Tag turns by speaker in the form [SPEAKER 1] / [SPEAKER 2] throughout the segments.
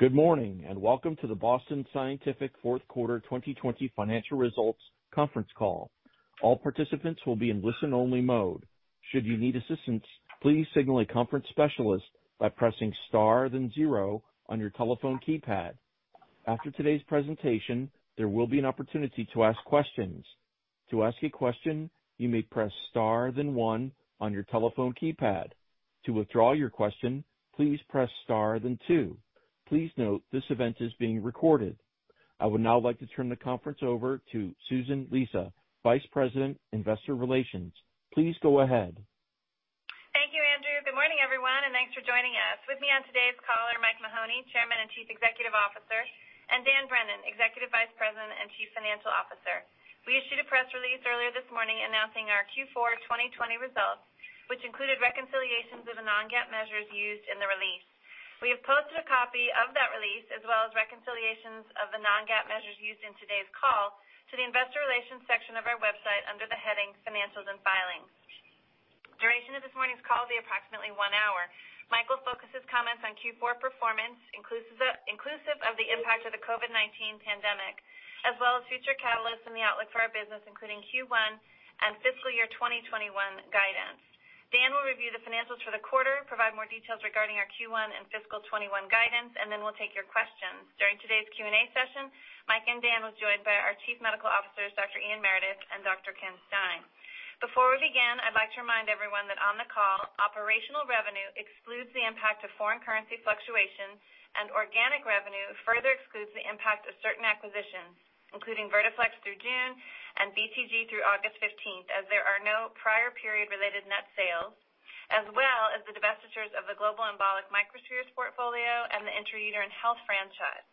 [SPEAKER 1] Good morning, and welcome to the Boston Scientific fourth quarter 2020 financial results conference call. All participants will be in listen-only mode. Should you need assistance, please signal a conference specialist by pressing star then zero on your telephone keypad. After today's presentation, there will be an opportunity to ask questions. To ask a question, you may press star then one on your telephone keypad. To withdraw your question, please press star then two. Please note this event is being recorded. I would now like to turn the conference over to Susan Lisa, Vice President, Investor Relations. Please go ahead.
[SPEAKER 2] Thank you, Andrew. Good morning, everyone, and thanks for joining us. With me on today's call are Mike Mahoney, Chairman and Chief Executive Officer, and Dan Brennan, Executive Vice President and Chief Financial Officer. We issued a press release earlier this morning announcing our Q4 2020 results, which included reconciliations of the non-GAAP measures used in the release. We have posted a copy of that release, as well as reconciliations of the non-GAAP measures used in today's call to the investor relations section of our website under the heading Financials and Filings. Duration of this morning's call will be approximately one hour. Michael will focus his comments on Q4 performance, inclusive of the impact of the COVID-19 pandemic, as well as future catalysts and the outlook for our business, including Q1 and fiscal year 2021 guidance. Dan will review the financials for the quarter, provide more details regarding our Q1 and fiscal 2021 guidance, and then we'll take your questions. During today's Q&A session, Mike and Dan will be joined by our Chief Medical Officers, Dr. Ian Meredith and Dr. Ken Stein. Before we begin, I'd like to remind everyone that on the call, operational revenue excludes the impact of foreign currency fluctuations, and organic revenue further excludes the impact of certain acquisitions, including Vertiflex through June and BTG through August 15th, as there are no prior period-related net sales, as well as the divestitures of the global embolic microspheres portfolio and the intra uterine health franchise.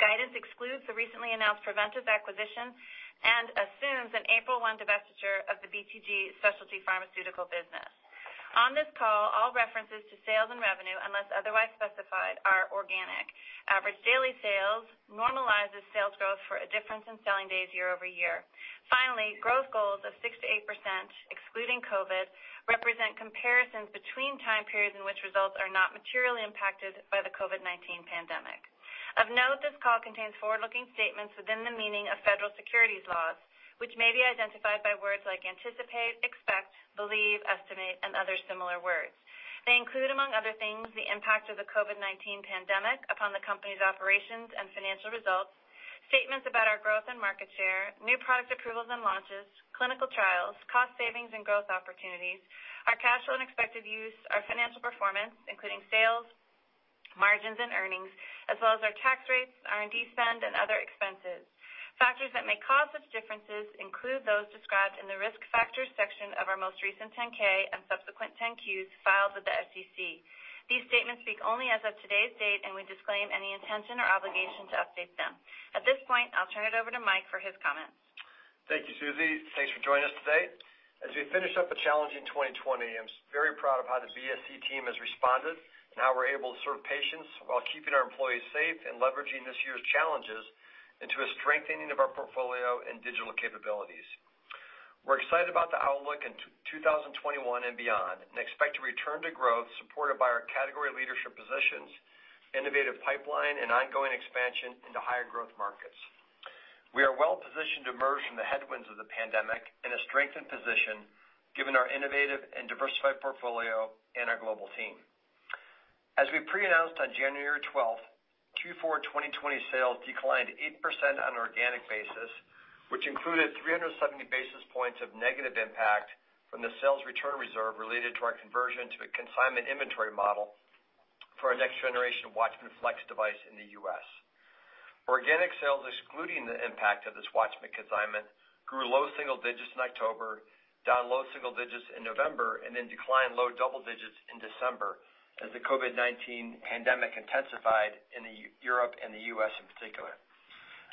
[SPEAKER 2] Guidance excludes the recently announced Preventice acquisition and assumes an April 1 divestiture of the BTG Specialty Pharmaceuticals business. On this call, all references to sales and revenue, unless otherwise specified, are organic. Average daily sales normalizes sales growth for a difference in selling days year-over-year. Finally, growth goals of 6%-8%, excluding COVID, represent comparisons between time periods in which results are not materially impacted by the COVID-19 pandemic. Of note, this call contains forward-looking statements within the meaning of federal securities laws, which may be identified by words like anticipate, expect, believe, estimate, and other similar words. They include, among other things, the impact of the COVID-19 pandemic upon the company's operations and financial results, statements about our growth and market share, new product approvals and launches, clinical trials, cost savings and growth opportunities, our cash flow and expected use, our financial performance, including sales, margins, and earnings, as well as our tax rates, R&D spend, and other expenses. Factors that may cause such differences include those described in the Risk Factors section of our most recent 10-K and subsequent 10-Qs filed with the SEC. These statements speak only as of today's date. We disclaim any intention or obligation to update them. At this point, I'll turn it over to Mike for his comments.
[SPEAKER 3] Thank you, Susie. Thanks for joining us today. As we finish up a challenging 2020, I'm very proud of how the BSC team has responded and how we're able to serve patients while keeping our employees safe and leveraging this year's challenges into a strengthening of our portfolio and digital capabilities. We're excited about the outlook in 2021 and beyond and expect to return to growth supported by our category leadership positions, innovative pipeline, and ongoing expansion into higher growth markets. We are well-positioned to emerge from the headwinds of the pandemic in a strengthened position given our innovative and diversified portfolio and our global team. As we pre-announced on January 12th, Q4 2020 sales declined 8% on an organic basis, which included 370 basis points of negative impact from the sales return reserve related to our conversion to a consignment inventory model for our next generation WATCHMAN FLX device in the U.S. Organic sales, excluding the impact of this WATCHMAN consignment, grew low single digits in October, down low single digits in November, and then declined low double digits in December as the COVID-19 pandemic intensified in Europe and the U.S. in particular.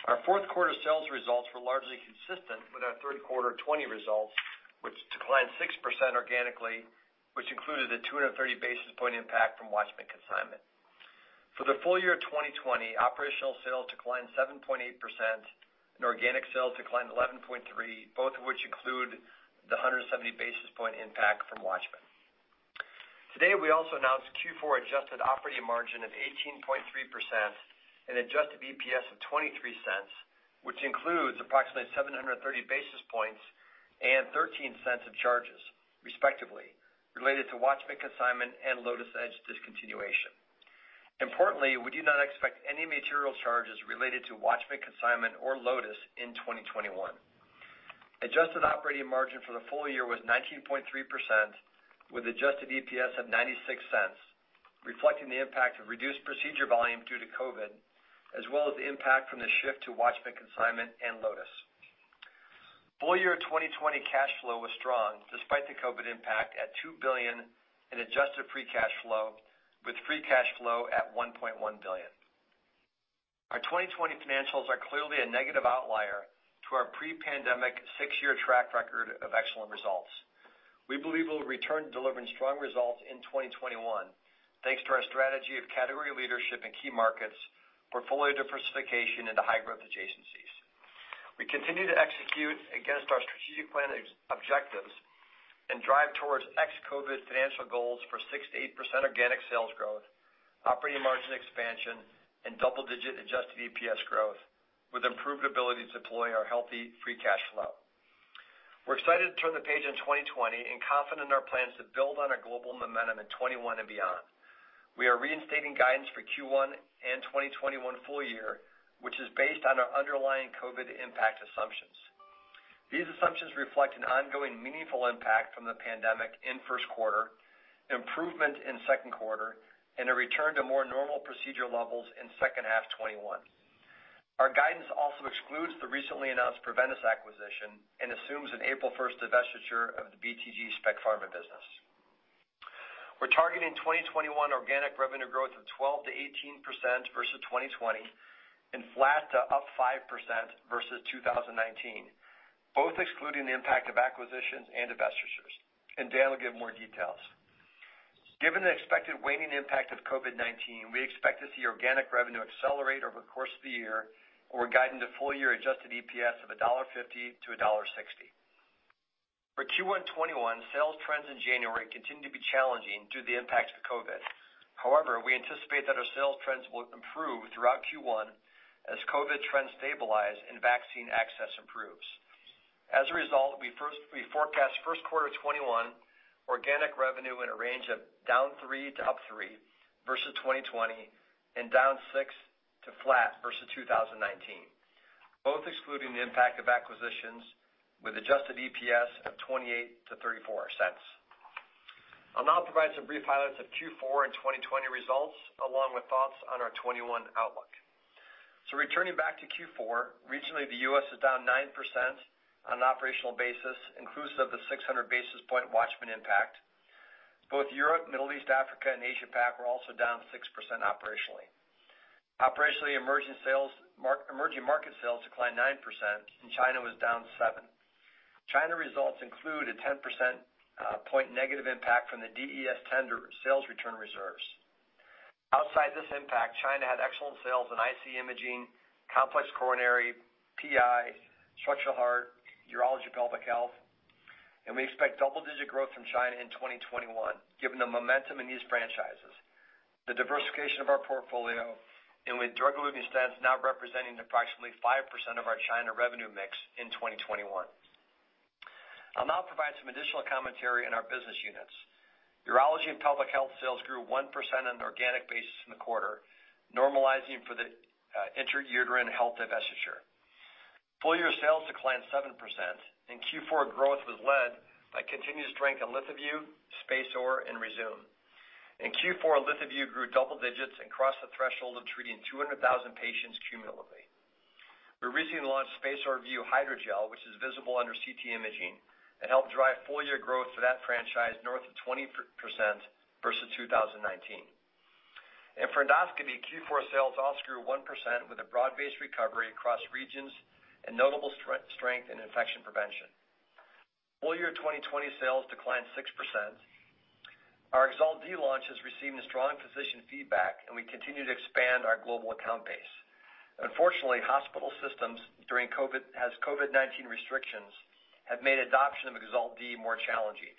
[SPEAKER 3] Our fourth quarter sales results were largely consistent with our third quarter 2020 results, which declined 6% organically, which included a 230 basis point impact from WATCHMAN consignment. For the full year 2020, operational sales declined 7.8%, and organic sales declined 11.3%, both of which include the 170 basis point impact from WATCHMAN. Today, we also announced Q4 adjusted operating margin of 18.3% and adjusted EPS of $0.23, which includes approximately 730 basis points and $0.13 of charges, respectively, related to WATCHMAN consignment and Lotus Edge discontinuation. Importantly, we do not expect any material charges related to WATCHMAN consignment or Lotus in 2021. Adjusted operating margin for the full year was 19.3%, with adjusted EPS of $0.96, reflecting the impact of reduced procedure volume due to COVID, as well as the impact from the shift to WATCHMAN consignment and Lotus. Full year 2020 cash flow was strong despite the COVID impact at $2 billion in adjusted free cash flow with free cash flow at $1.1 billion. Our 2020 financials are clearly a negative outlier to our pre-pandemic six-year track record of excellent results. We believe we'll return to delivering strong results in 2021 thanks to our strategy of category leadership in key markets, portfolio diversification into high-growth adjacencies. We continue to execute against our strategic plan objectives and drive towards ex-COVID financial goals for 6%-8% organic sales growth, operating margin expansion, and double-digit adjusted EPS growth, with improved ability to deploy our healthy free cash flow. We're excited to turn the page on 2020 and confident in our plans to build on our global momentum in 2021 and beyond. We are reinstating guidance for Q1 and 2021 full year, which is based on our underlying COVID impact assumptions. These assumptions reflect an ongoing meaningful impact from the pandemic in first quarter, improvement in second quarter, and a return to more normal procedural levels in second half 2021. Our guidance also excludes the recently announced Preventice acquisition and assumes an April 1st divestiture of the BTG Specialty Pharmaceuticals business. We're targeting 2021 organic revenue growth of 12%-18% versus 2020 and flat to up 5% versus 2019, both excluding the impact of acquisitions and divestitures, and Dan will give more details. Given the expected waning impact of COVID-19, we expect to see organic revenue accelerate over the course of the year or guide into full-year adjusted EPS of $1.50-$1.60. For Q1 2021, sales trends in January continue to be challenging due to the impacts of COVID. However, we anticipate that our sales trends will improve throughout Q1 as COVID trends stabilize and vaccine access improves. As a result, we forecast first quarter 2021 organic revenue in a range of down 3% to up 3% versus 2020 and down 6% to flat versus 2019, both excluding the impact of acquisitions with adjusted EPS of $0.28-$0.34. I'll now provide some brief highlights of Q4 and 2020 results, along with thoughts on our 2021 outlook. Returning back to Q4, regionally, the U.S. is down 9% on an operational basis, inclusive of the 600 basis point WATCHMAN impact. Both Europe, Middle East, Africa, and Asia Pac were also down 6% operationally. Operationally, emerging market sales declined 9%, and China was down 7%. China results include a 10% point negative impact from the DES tender sales return reserves. Outside this impact, China had excellent sales in IC imaging, complex coronary, PI, structural heart, urology pelvic health, and we expect double-digit growth from China in 2021, given the momentum in these franchises, the diversification of our portfolio, and with drug-eluting stents now representing approximately 5% of our China revenue mix in 2021. I'll now provide some additional commentary in our business units. Urology and pelvic health sales grew 1% on an organic basis in the quarter, normalizing for the intrauterine health divestiture. Full-year sales declined 7%, and Q4 growth was led by continued strength in LithoVue, SpaceOAR, and Rezūm. In Q4, LithoVue grew double digits and crossed the threshold of treating 200,000 patients cumulatively. We recently launched SpaceOAR Vue Hydrogel, which is visible under CT imaging and helped drive full-year growth for that franchise north of 20% versus 2019. In endoscopy, Q4 sales also grew 1% with a broad-based recovery across regions and notable strength in infection prevention. Full-year 2020 sales declined 6%. Our EXALT D launch has received a strong physician feedback, and we continue to expand our global account base. Unfortunately, hospital systems has COVID-19 restrictions have made adoption of EXALT D more challenging.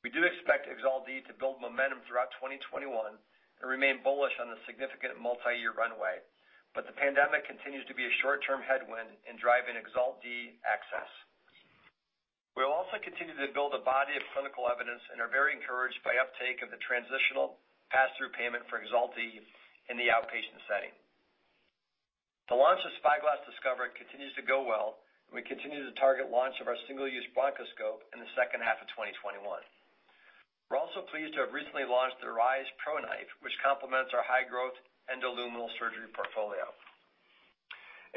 [SPEAKER 3] We do expect EXALT D to build momentum throughout 2021 and remain bullish on the significant multi-year runway, but the pandemic continues to be a short-term headwind in driving EXALT D access. We'll also continue to build a body of clinical evidence and are very encouraged by uptake of the transitional passthrough payment for EXALT D in the outpatient setting. The launch of SpyGlass Discover continues to go well, and we continue to target launch of our single-use bronchoscope in the second half of 2021. We're also pleased to have recently launched the ORISE ProKnife, which complements our high growth endoluminal surgery portfolio.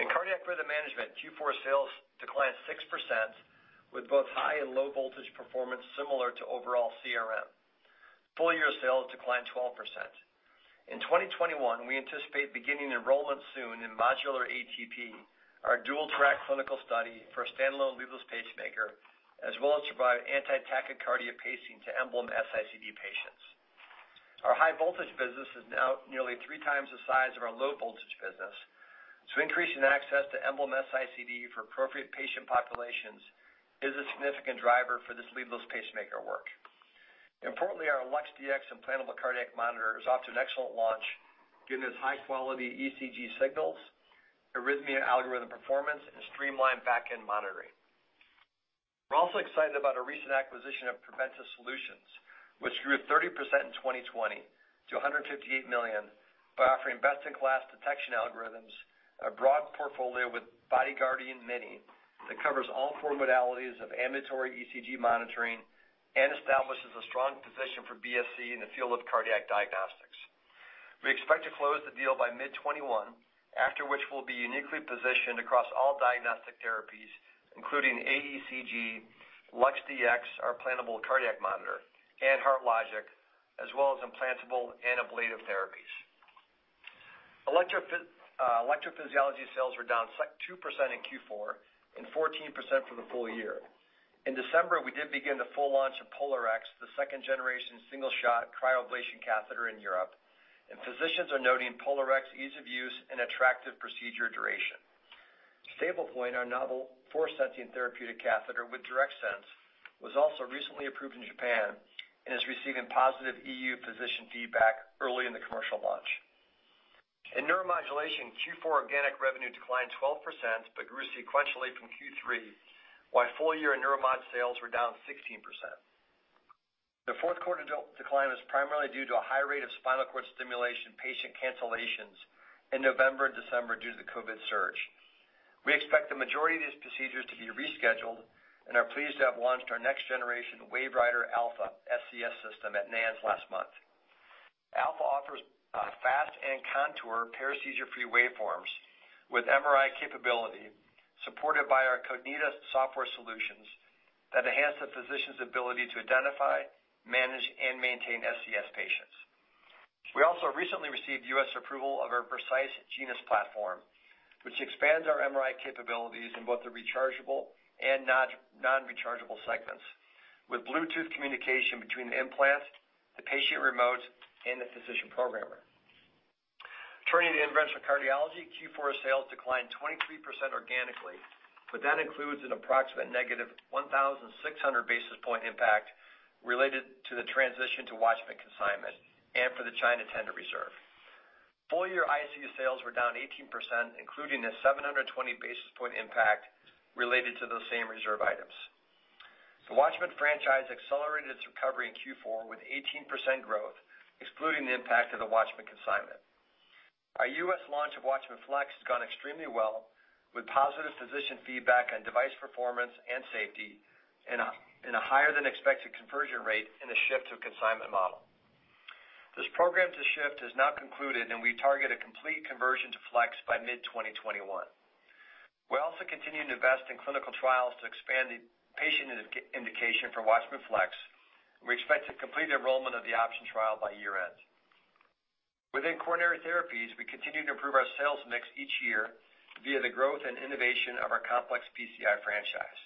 [SPEAKER 3] In cardiac rhythm management, Q4 sales declined 6% with both high and low voltage performance similar to overall CRM. Full-year sales declined 12%. In 2021, we anticipate beginning enrollment soon in MODULAR ATP, our dual-track clinical study for a standalone leadless pacemaker, as well as provide anti-tachycardia pacing to EMBLEM S-ICD patients. Our high voltage business is now nearly three times the size of our low voltage business, increasing access to EMBLEM S-ICD for appropriate patient populations is a significant driver for this leadless pacemaker work. Importantly, our LUX-Dx implantable cardiac monitor is off to an excellent launch, giving us high-quality ECG signals, arrhythmia algorithm performance, and streamlined back-end monitoring. We're also excited about our recent acquisition of Preventice Solutions, which grew 30% in 2020 to $158 million by offering best-in-class detection algorithms and a broad portfolio with BodyGuardian Mini that covers all four modalities of ambulatory ECG monitoring and establishes a strong position for BSC in the field of cardiac diagnostics. We expect to close the deal by mid 2021, after which we'll be uniquely positioned across all diagnostic therapies, including AECG, LUX-Dx, our implantable cardiac monitor, and HeartLogic, as well as implantable and ablative therapies. electrophysiology sales were down 2% in Q4 and 14% for the full year. In December, we did begin the full launch of POLARx, the second-generation single-shot cryoablation catheter in Europe, and physicians are noting POLARx ease of use and attractive procedure duration. STABLEPOINT, our novel force sensing therapeutic catheter with DIRECTSENSE, was also recently approved in Japan and is receiving positive EU physician feedback early in the commercial launch. In Neuromodulation, Q4 organic revenue declined 12% but grew sequentially from Q3, while full year in Neuromod sales were down 16%. The fourth quarter decline was primarily due to a high rate of spinal cord stimulation patient cancellations in November and December due to the COVID surge. We expect the majority of these procedures to be rescheduled and are pleased to have launched our next generation WaveWriter Alpha SCS system at NANS last month. Alpha offers fast and contour paresthesia-free waveforms with MRI capability supported by our Cognita software solutions that enhance the physician's ability to identify, manage, and maintain SCS patients. We also recently received U.S. approval of our Genus platform, which expands our MRI capabilities in both the rechargeable and non-rechargeable segments. With Bluetooth communication between the implants, the patient remotes, and the physician programmer. Turning to interventional cardiology, Q4 sales declined 23% organically, that includes an approximate negative 1,600 basis point impact related to the transition to WATCHMAN consignment and for the China tender reserve. Full year IC sales were down 18%, including a 720 basis point impact related to those same reserve items. The WATCHMAN franchise accelerated its recovery in Q4 with 18% growth, excluding the impact of the WATCHMAN consignment. Our U.S. launch of WATCHMAN FLX has gone extremely well with positive physician feedback on device performance and safety in a higher than expected conversion rate in the shift to consignment model. This program to shift has now concluded, and we target a complete conversion to WATCHMAN FLX by mid-2021. We're also continuing to invest in clinical trials to expand the patient indication for WATCHMAN FLX, and we expect to complete the enrollment of the OPTION trial by year-end. Within coronary therapies, we continue to improve our sales mix each year via the growth and innovation of our complex PCI franchise.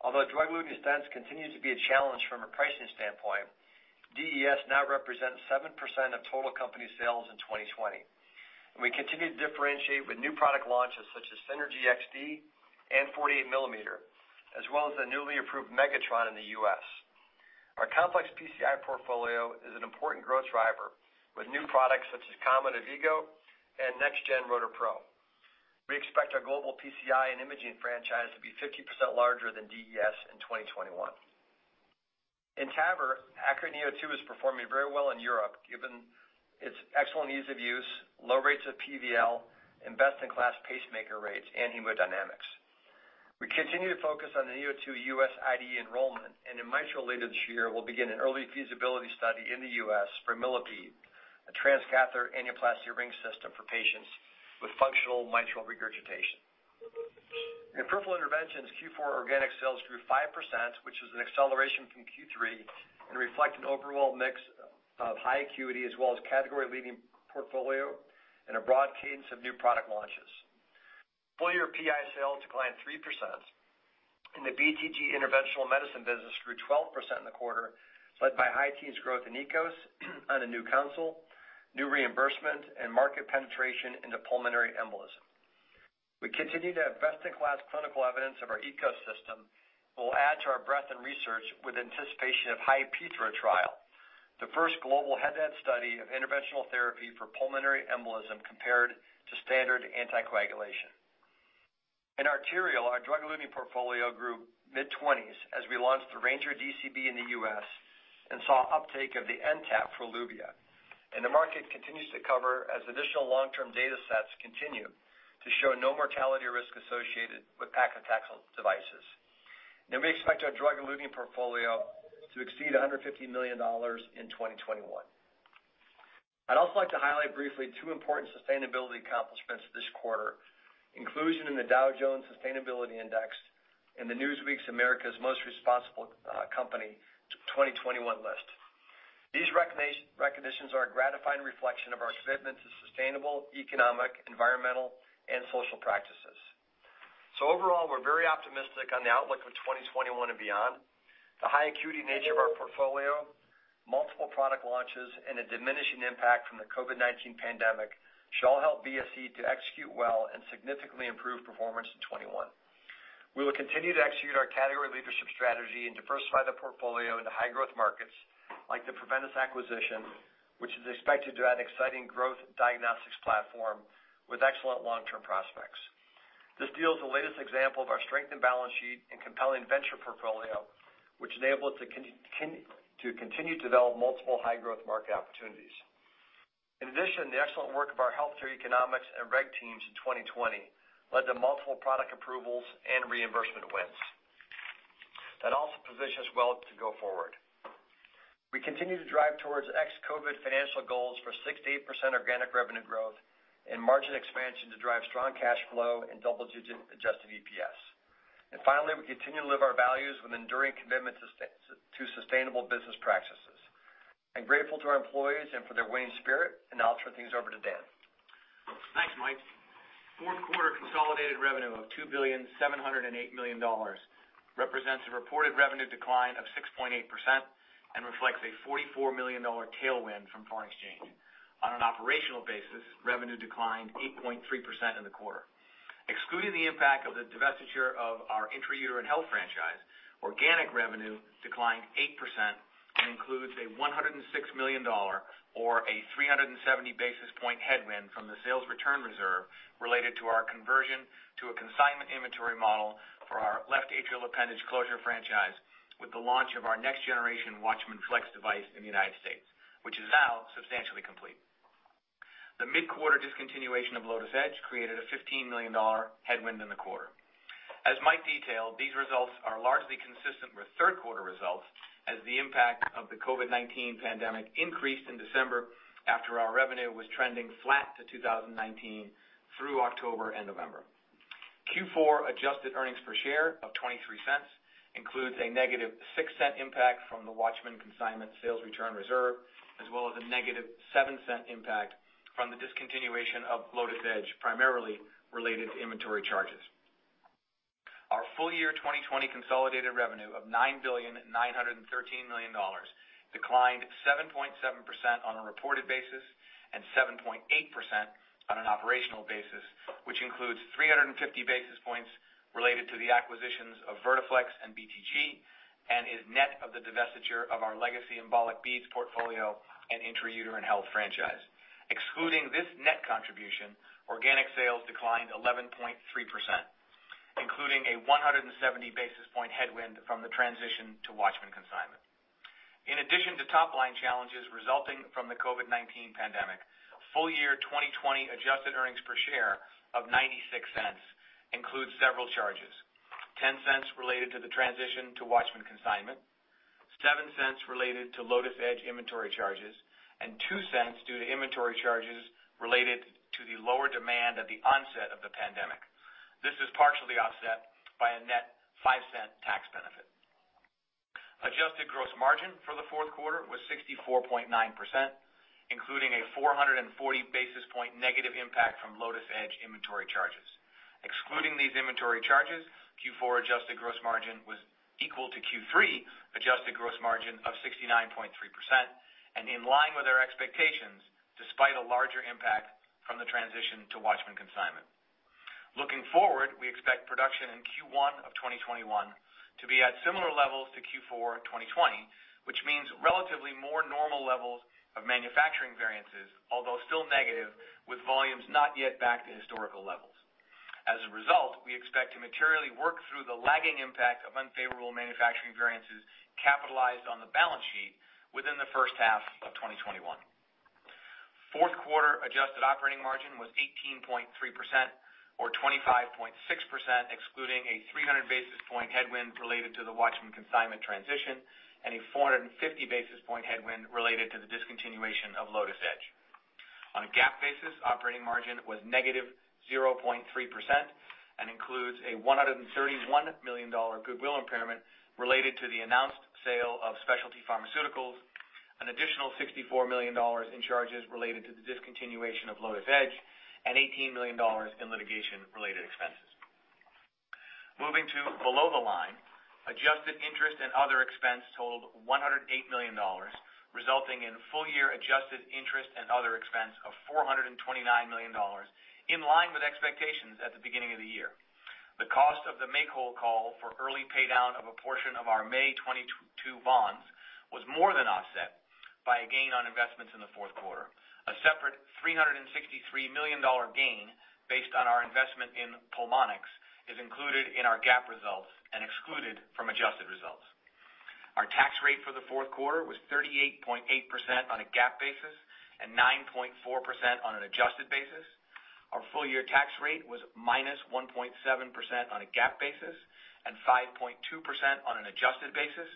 [SPEAKER 3] Although drug-eluting stents continue to be a challenge from a pricing standpoint, DES now represents 7% of total company sales in 2020. We continue to differentiate with new product launches such as SYNERGY XD and 48 millimeter, as well as the newly approved MEGATRON in the U.S. Our complex PCI portfolio is an important growth driver with new products such as COMET AVVIGO and NextGen ROTAPRO. We expect our global PCI and imaging franchise to be 50% larger than DES in 2021. In TAVR, ACURATE neo2 is performing very well in Europe, given its excellent ease of use, low rates of PVL, and best-in-class pacemaker rates and hemodynamics. We continue to focus on the Neo2 U.S. IDE enrollment and in mitral later this year, we'll begin an early feasibility study in the U.S. for Millipede, a transcatheter annuloplasty ring system for patients with functional mitral regurgitation. In peripheral interventions, Q4 organic sales grew 5%, which is an acceleration from Q3 and reflect an overall mix of high acuity as well as category-leading portfolio and a broad cadence of new product launches. Full year PI sales declined 3%. The BTG Interventional Medicines business grew 12% in the quarter, led by high teens growth in EKOS on a new console, new reimbursement, and market penetration into pulmonary embolism. We continue to have best-in-class clinical evidence of our EKOS system that will add to our breadth and research with anticipation of HI-PEITHO trial, the first global head-to-head study of interventional therapy for pulmonary embolism compared to standard anticoagulation. In arterial, our drug-eluting portfolio grew mid-20s as we launched the Ranger DCB in the U.S. and saw uptake of the NTAP for Eluvia. The market continues to cover as additional long-term data sets continue to show no mortality risk associated with paclitaxel devices. We expect our drug-eluting portfolio to exceed $150 million in 2021. I'd also like to highlight briefly two important sustainability accomplishments this quarter, inclusion in the Dow Jones Sustainability Index and the Newsweek's America's Most Responsible Company 2021 list. These recognitions are a gratifying reflection of our commitment to sustainable economic, environmental, and social practices. Overall, we're very optimistic on the outlook of 2021 and beyond. The high acuity nature of our portfolio, multiple product launches, and a diminishing impact from the COVID-19 pandemic should all help BSC to execute well and significantly improve performance in 2021. We will continue to execute our category leadership strategy and diversify the portfolio into high growth markets like the Preventice acquisition, which is expected to add exciting growth diagnostics platform with excellent long-term prospects. This deal is the latest example of our strength and balance sheet and compelling venture portfolio, which enable it to continue to develop multiple high growth market opportunities. In addition, the excellent work of our healthcare economics and reg teams in 2020 led to multiple product approvals and reimbursement wins. That also positions us well to go forward. We continue to drive towards ex-COVID financial goals for 6%-8% organic revenue growth and margin expansion to drive strong cash flow and double-digit adjusted EPS. Finally, we continue to live our values with enduring commitment to sustainable business practices. I'm grateful to our employees and for their winning spirit, and now I'll turn things over to Dan.
[SPEAKER 4] Thanks, Mike. Fourth quarter consolidated revenue of $2,708,000,000 represents a reported revenue decline of 6.8% and reflects a $44 million tailwind from foreign exchange. On an operational basis, revenue declined 8.3% in the quarter. Excluding the impact of the divestiture of our intra-uterine health franchise, organic revenue declined 8% and includes a $106 million, or a 370 basis point headwind from the sales return reserve related to our conversion to a consignment inventory model for our left atrial appendage closure franchise with the launch of our next generation WATCHMAN FLX device in the United States, which is now substantially complete. The mid-quarter discontinuation of Lotus Edge created a $15 million headwind in the quarter. As Mike detailed, these results are largely consistent with third quarter results, as the impact of the COVID-19 pandemic increased in December after our revenue was trending flat to 2019 through October and November. Q4 adjusted earnings per share of $0.23 includes a negative $0.06 impact from the WATCHMAN consignment sales return reserve, as well as a negative $0.07 impact from the discontinuation of Lotus Edge, primarily related to inventory charges. Our full year 2020 consolidated revenue of $9.913 billion declined 7.7% on a reported basis and 7.8% on an operational basis, which includes 350 basis points related to the acquisitions of Vertiflex and BTG and is net of the divestiture of our legacy embolic beads portfolio and intra-uterine health franchise. Excluding this net contribution, organic sales declined 11.3%, including a 170 basis point headwind from the transition to WATCHMAN consignment. In addition to top-line challenges resulting from the COVID-19 pandemic, full year 2020 adjusted earnings per share of $0.96 includes several charges. $0.10 related to the transition to WATCHMAN consignment, $0.07 related to Lotus Edge inventory charges. Two cents due to inventory charges related to the lower demand at the onset of the pandemic. This is partially offset by a net $0.05 tax benefit. Adjusted gross margin for the fourth quarter was 64.9%, including a 440 basis point negative impact from Lotus Edge inventory charges. Excluding these inventory charges, Q4 adjusted gross margin was equal to Q3 adjusted gross margin of 69.3% and in line with our expectations, despite a larger impact from the transition to WATCHMAN consignment. Looking forward, we expect production in Q1 2021 to be at similar levels to Q4 2020, which means relatively more normal levels of manufacturing variances, although still negative with volumes not yet back to historical levels. As a result, we expect to materially work through the lagging impact of unfavorable manufacturing variances capitalized on the balance sheet within the first half of 2021. Fourth quarter adjusted operating margin was 18.3%, or 25.6%, excluding a 300 basis point headwind related to the WATCHMAN consignment transition and a 450 basis point headwind related to the discontinuation of Lotus Edge. On a GAAP basis, operating margin was negative 0.3% and includes a $131 million goodwill impairment related to the announced sale of Specialty Pharmaceuticals, an additional $64 million in charges related to the discontinuation of Lotus Edge, and $18 million in litigation-related expenses. Moving to below the line, adjusted interest and other expense totaled $108 million, resulting in full year adjusted interest and other expense of $429 million, in line with expectations at the beginning of the year. The cost of the make whole call for early paydown of a portion of our May 2022 bonds was more than offset by a gain on investments in the fourth quarter. A separate $363 million gain based on our investment in Pulmonx is included in our GAAP results and excluded from adjusted results. Our tax rate for the fourth quarter was 38.8% on a GAAP basis and 9.4% on an adjusted basis. Our full year tax rate was -1.7% on a GAAP basis and 5.2% on an adjusted basis,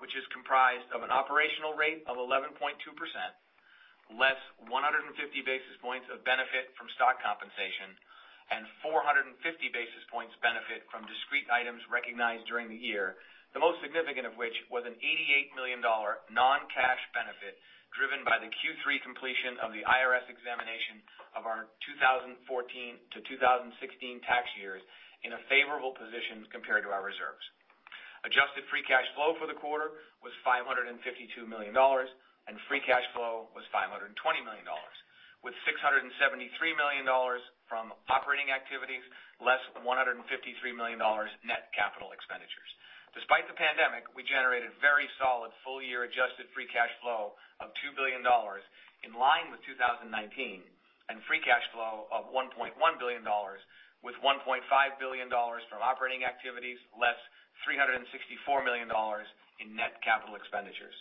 [SPEAKER 4] which is comprised of an operational rate of 11.2%, less 150 basis points of benefit from stock compensation and 450 basis points benefit from discrete items recognized during the year, the most significant of which was an $88 million non-cash benefit driven by the Q3 completion of the IRS examination of our 2014 to 2016 tax years in a favorable position compared to our reserves. Adjusted free cash flow for the quarter was $552 million, and free cash flow was $520 million, with $673 million from operating activities, less $153 million net capital expenditures. Despite the pandemic, we generated very solid full year adjusted free cash flow of $2 billion, in line with 2019, and free cash flow of $1.1 billion, with $1.5 billion from operating activities, less $364 million in net capital expenditures.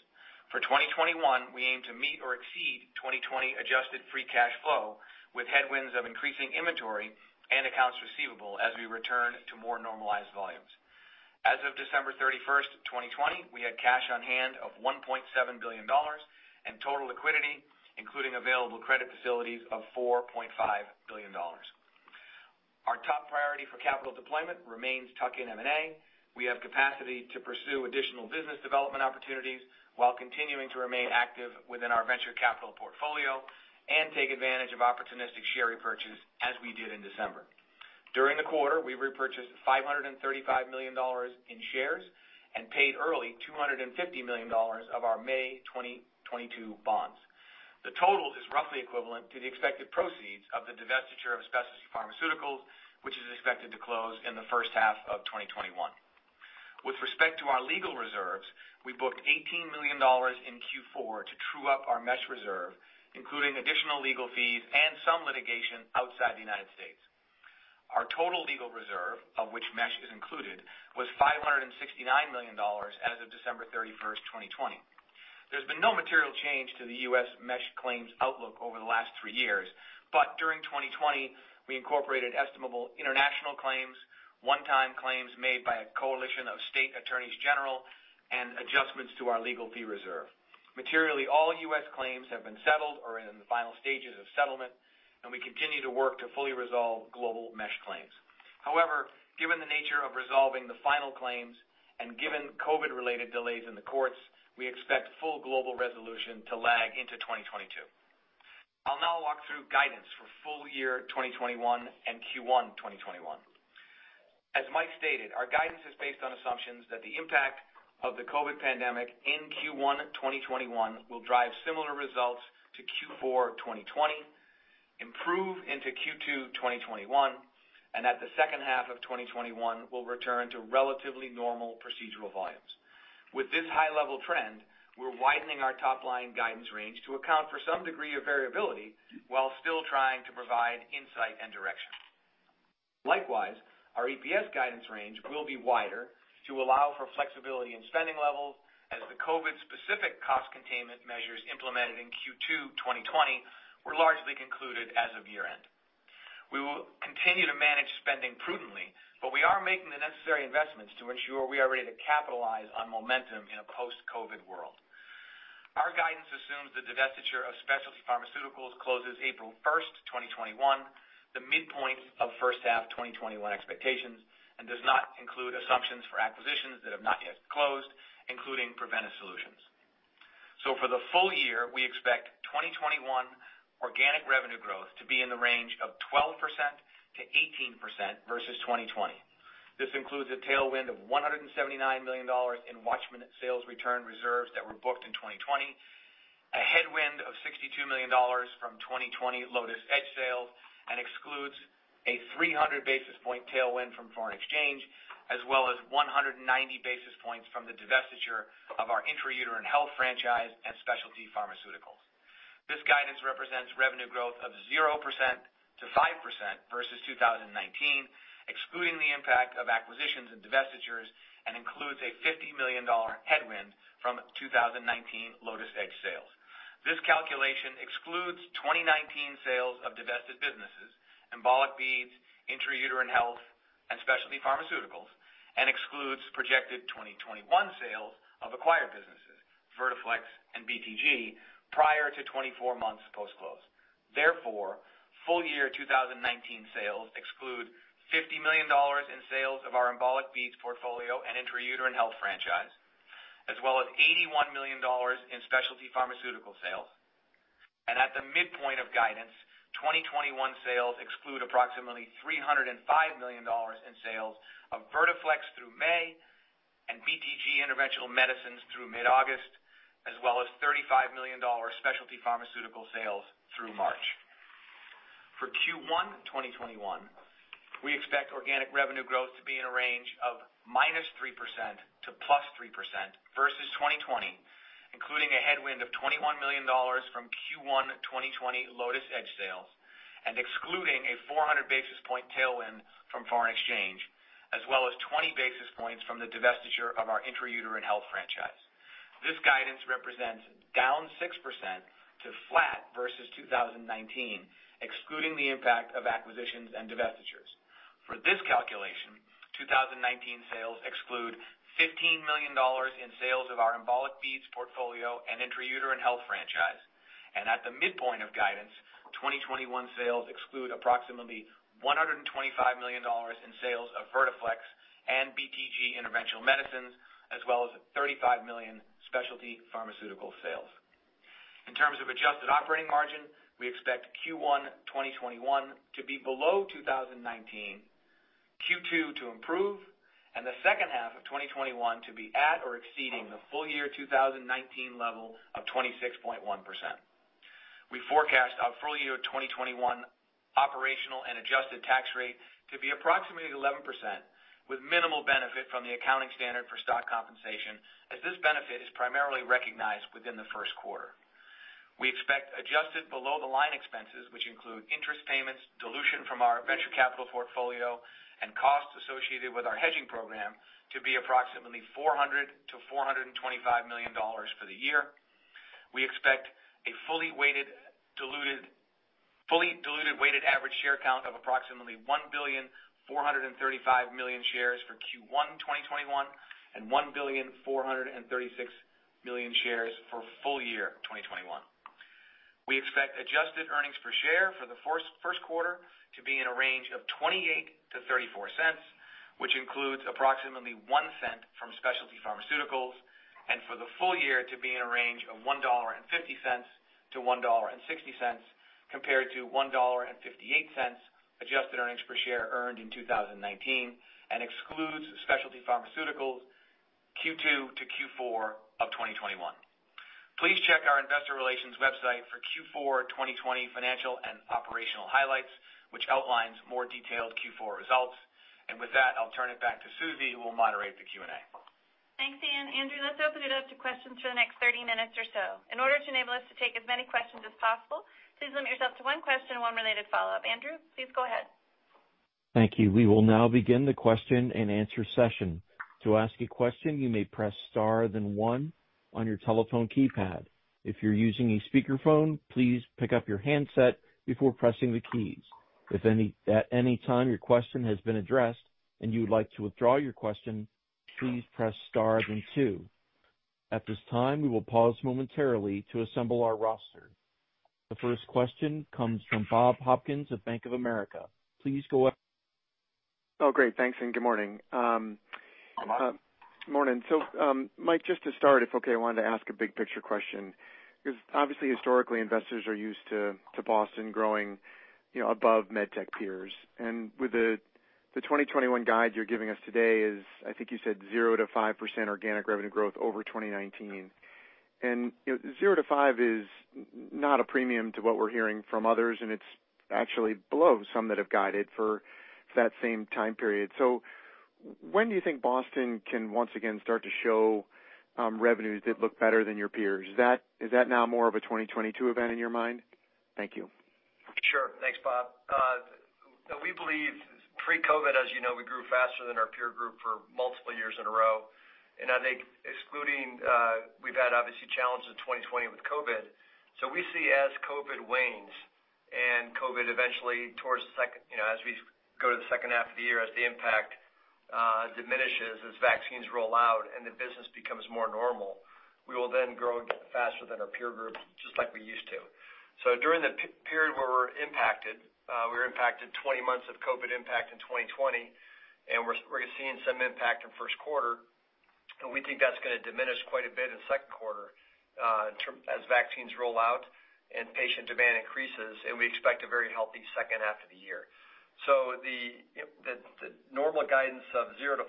[SPEAKER 4] For 2021, we aim to meet or exceed 2020 adjusted free cash flow with headwinds of increasing inventory and accounts receivable as we return to more normalized volumes. As of December 31st, 2020, we had cash on hand of $1.7 billion and total liquidity, including available credit facilities of $4.5 billion. Priority for capital deployment remains tuck-in M&A. We have capacity to pursue additional business development opportunities while continuing to remain active within our venture capital portfolio and take advantage of opportunistic share repurchase as we did in December. During the quarter, we repurchased $535 million in shares and paid early $250 million of our May 2022 bonds. The total is roughly equivalent to the expected proceeds of the divestiture of Specialty Pharmaceuticals, which is expected to close in the first half of 2021. With respect to our legal reserves, we booked $18 million in Q4 to true up our mesh reserve, including additional legal fees and some litigation outside the United States. Our total legal reserve, of which mesh is included, was $569 million as of December 31st, 2020. There's been no material change to the U.S. mesh claims outlook over the last three years. During 2020, we incorporated estimable international claims, one-time claims made by a coalition of state attorneys general, and adjustments to our legal fee reserve. Materially, all U.S. claims have been settled or are in the final stages of settlement, and we continue to work to fully resolve global mesh claims. However, given the nature of resolving the final claims and given COVID-related delays in the courts, we expect full global resolution to lag into 2022. I'll now walk through guidance for full year 2021 and Q1 2021. As Mike stated, our guidance is based on assumptions that the impact of the COVID pandemic in Q1 2021 will drive similar results to Q4 2020, improve into Q2 2021, and that the second half of 2021 will return to relatively normal procedural volumes. With this high-level trend, we're widening our top-line guidance range to account for some degree of variability while still trying to provide insight and direction. Likewise, our EPS guidance range will be wider to allow for flexibility in spending levels as the COVID-specific cost containment measures implemented in Q2 2020 were largely concluded as of year-end. We will continue to manage spending prudently, but we are making the necessary investments to ensure we are ready to capitalize on momentum in a post-COVID-19 world. Our guidance assumes the divestiture of Specialty Pharmaceuticals closes April 1st, 2021, the midpoint of first half 2021 expectations, and does not include assumptions for acquisitions that have not yet closed, including Preventice Solutions. For the full year, we expect 2021 organic revenue growth to be in the range of 12%-18% versus 2020. This includes a tailwind of $179 million in WATCHMAN sales return reserves that were booked in 2020, a headwind of $62 million from 2020 Lotus Edge sales, and excludes a 300 basis point tailwind from foreign exchange, as well as 190 basis points from the divestiture of our intra-uterine health franchise and Specialty Pharmaceuticals. This guidance represents revenue growth of 0%-5% versus 2019, excluding the impact of acquisitions and divestitures, and includes a $50 million headwind from 2019 Lotus Edge sales. This calculation excludes 2019 sales of divested businesses, embolic beads, intra-uterine health, and Specialty Pharmaceuticals, and excludes projected 2021 sales of acquired businesses, Vertiflex and BTG, prior to 24 months post-close. Therefore, full year 2019 sales exclude $50 million in sales of our embolic beads portfolio and intra-uterine health franchise, as well as $81 million in Specialty Pharmaceuticals sales. At the midpoint of guidance, 2021 sales exclude approximately $305 million in sales of Vertiflex through May and BTG Interventional Medicines through mid-August, as well as $35 million Specialty Pharmaceuticals sales through March. For Q1 2021, we expect organic revenue growth to be in a range of -3% to +3% versus 2020, including a headwind of $21 million from Q1 2020 Lotus Edge sales and excluding a 400 basis point tailwind from foreign exchange, as well as 20 basis points from the divestiture of our intra-uterine health franchise. This guidance represents down 6% to flat versus 2019, excluding the impact of acquisitions and divestitures. For this calculation, 2019 sales exclude $15 million in sales of our embolic beads portfolio and intra-uterine health franchise. At the midpoint of guidance, 2021 sales exclude approximately $125 million in sales of Vertiflex and BTG Interventional Medicines, as well as $35 million Specialty Pharmaceutical sales. In terms of adjusted operating margin, we expect Q1 2021 to be below 2019, Q2 to improve, and the second half of 2021 to be at or exceeding the full year 2019 level of 26.1%. We forecast our full year 2021 operational and adjusted tax rate to be approximately 11% with minimal benefit from the accounting standard for stock compensation, as this benefit is primarily recognized within the first quarter. We expect adjusted below-the-line expenses, which include interest payments, dilution from our venture capital portfolio, and costs associated with our hedging program to be approximately $400 million-$425 million for the year. We expect a fully diluted weighted average share count of approximately 1,435,000,000 shares for Q1 2021 and 1,436,000,000 shares for full year 2021. We expect adjusted earnings per share for the first quarter to be in a range of $0.28-$0.34, which includes approximately $0.01 from Specialty Pharmaceuticals, and for the full year to be in a range of $1.50-$1.60, compared to $1.58 adjusted earnings per share earned in 2019, and excludes Specialty Pharmaceuticals Q2 to Q4 of 2021. Please check our investor relations website for Q4 2020 financial and operational highlights, which outlines more detailed Q4 results. With that, I'll turn it back to Susie, who will moderate the Q&A.
[SPEAKER 2] Thanks, Dan. Andrew, let's open it up to questions for the next 30 minutes or so. In order to enable us to take as many questions as possible, please limit yourself to one question and one related follow-up. Andrew, please go ahead.
[SPEAKER 1] Thank you. We will now begin the question and answer session. To ask a question you may press star then one on your telephone keypad. If you're using a speakerphone please pick up your handset before pressing the keys. If any time your question has been addressed and you'd like to withdraw your question, please press star then two. At this time, we will pause momentarily to assemble our roster. The first question comes from Bob Hopkins of Bank of America. Please go ahead.
[SPEAKER 5] Oh, great. Thanks. Good morning.
[SPEAKER 3] Hi, Bob.
[SPEAKER 5] Morning. Mike, just to start, if okay, I wanted to ask a big picture question, because obviously historically, investors are used to Boston growing above med tech peers. With the 2021 guide you're giving us today is, I think you said 0%-5% organic revenue growth over 2019. 0%-5% is not a premium to what we're hearing from others, and it's actually below some that have guided for that same time period. When do you think Boston can once again start to show revenues that look better than your peers? Is that now more of a 2022 event in your mind? Thank you.
[SPEAKER 3] Sure. Thanks, Bob. We believe pre-COVID, as you know, we grew faster than our peer group for multiple years in a row. I think excluding, we've had obviously challenges in 2020 with COVID. We see as COVID wanes and COVID eventually as we go to the second half of the year, as the impact diminishes, as vaccines roll out and the business becomes more normal, we will then grow again faster than our peer group, just like we used to. During the period where we're impacted, we're impacted 20 months of COVID impact in 2020, and we're seeing some impact in first quarter, and we think that's going to diminish quite a bit in second quarter as vaccines roll out and patient demand increases, and we expect a very healthy second half of the year. The normal guidance of 0%-5%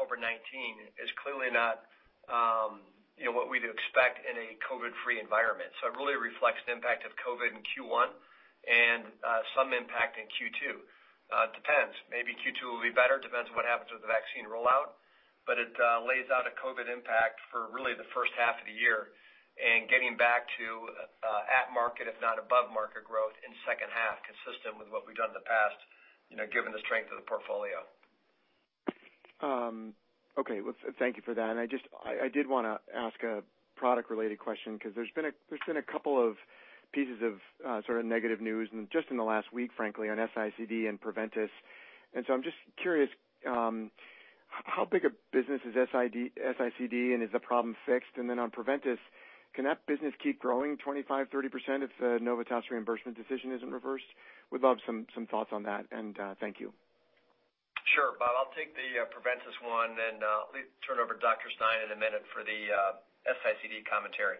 [SPEAKER 3] over 2019 is clearly not what we'd expect in a COVID-free environment. It really reflects the impact of COVID in Q1 and some impact in Q2. It depends. Maybe Q2 will be better, depends on what happens with the vaccine rollout. It lays out a COVID impact for really the first half of the year and getting back to at market, if not above market growth in second half, consistent with what we've done in the past given the strength of the portfolio.
[SPEAKER 5] Okay. Thank you for that. I did want to ask a product-related question, because there's been a couple of pieces of sort of negative news just in the last week, frankly, on S-ICD and Preventice. I'm just curious, how big a business is S-ICD, and is the problem fixed? On Preventice, can that business keep growing 25%, 30% if Novitas reimbursement decision isn't reversed? Would love some thoughts on that, and thank you.
[SPEAKER 3] Sure, Bob. I'll take the Preventice one and turn over to Dr. Stein in a minute for the S-ICD commentary.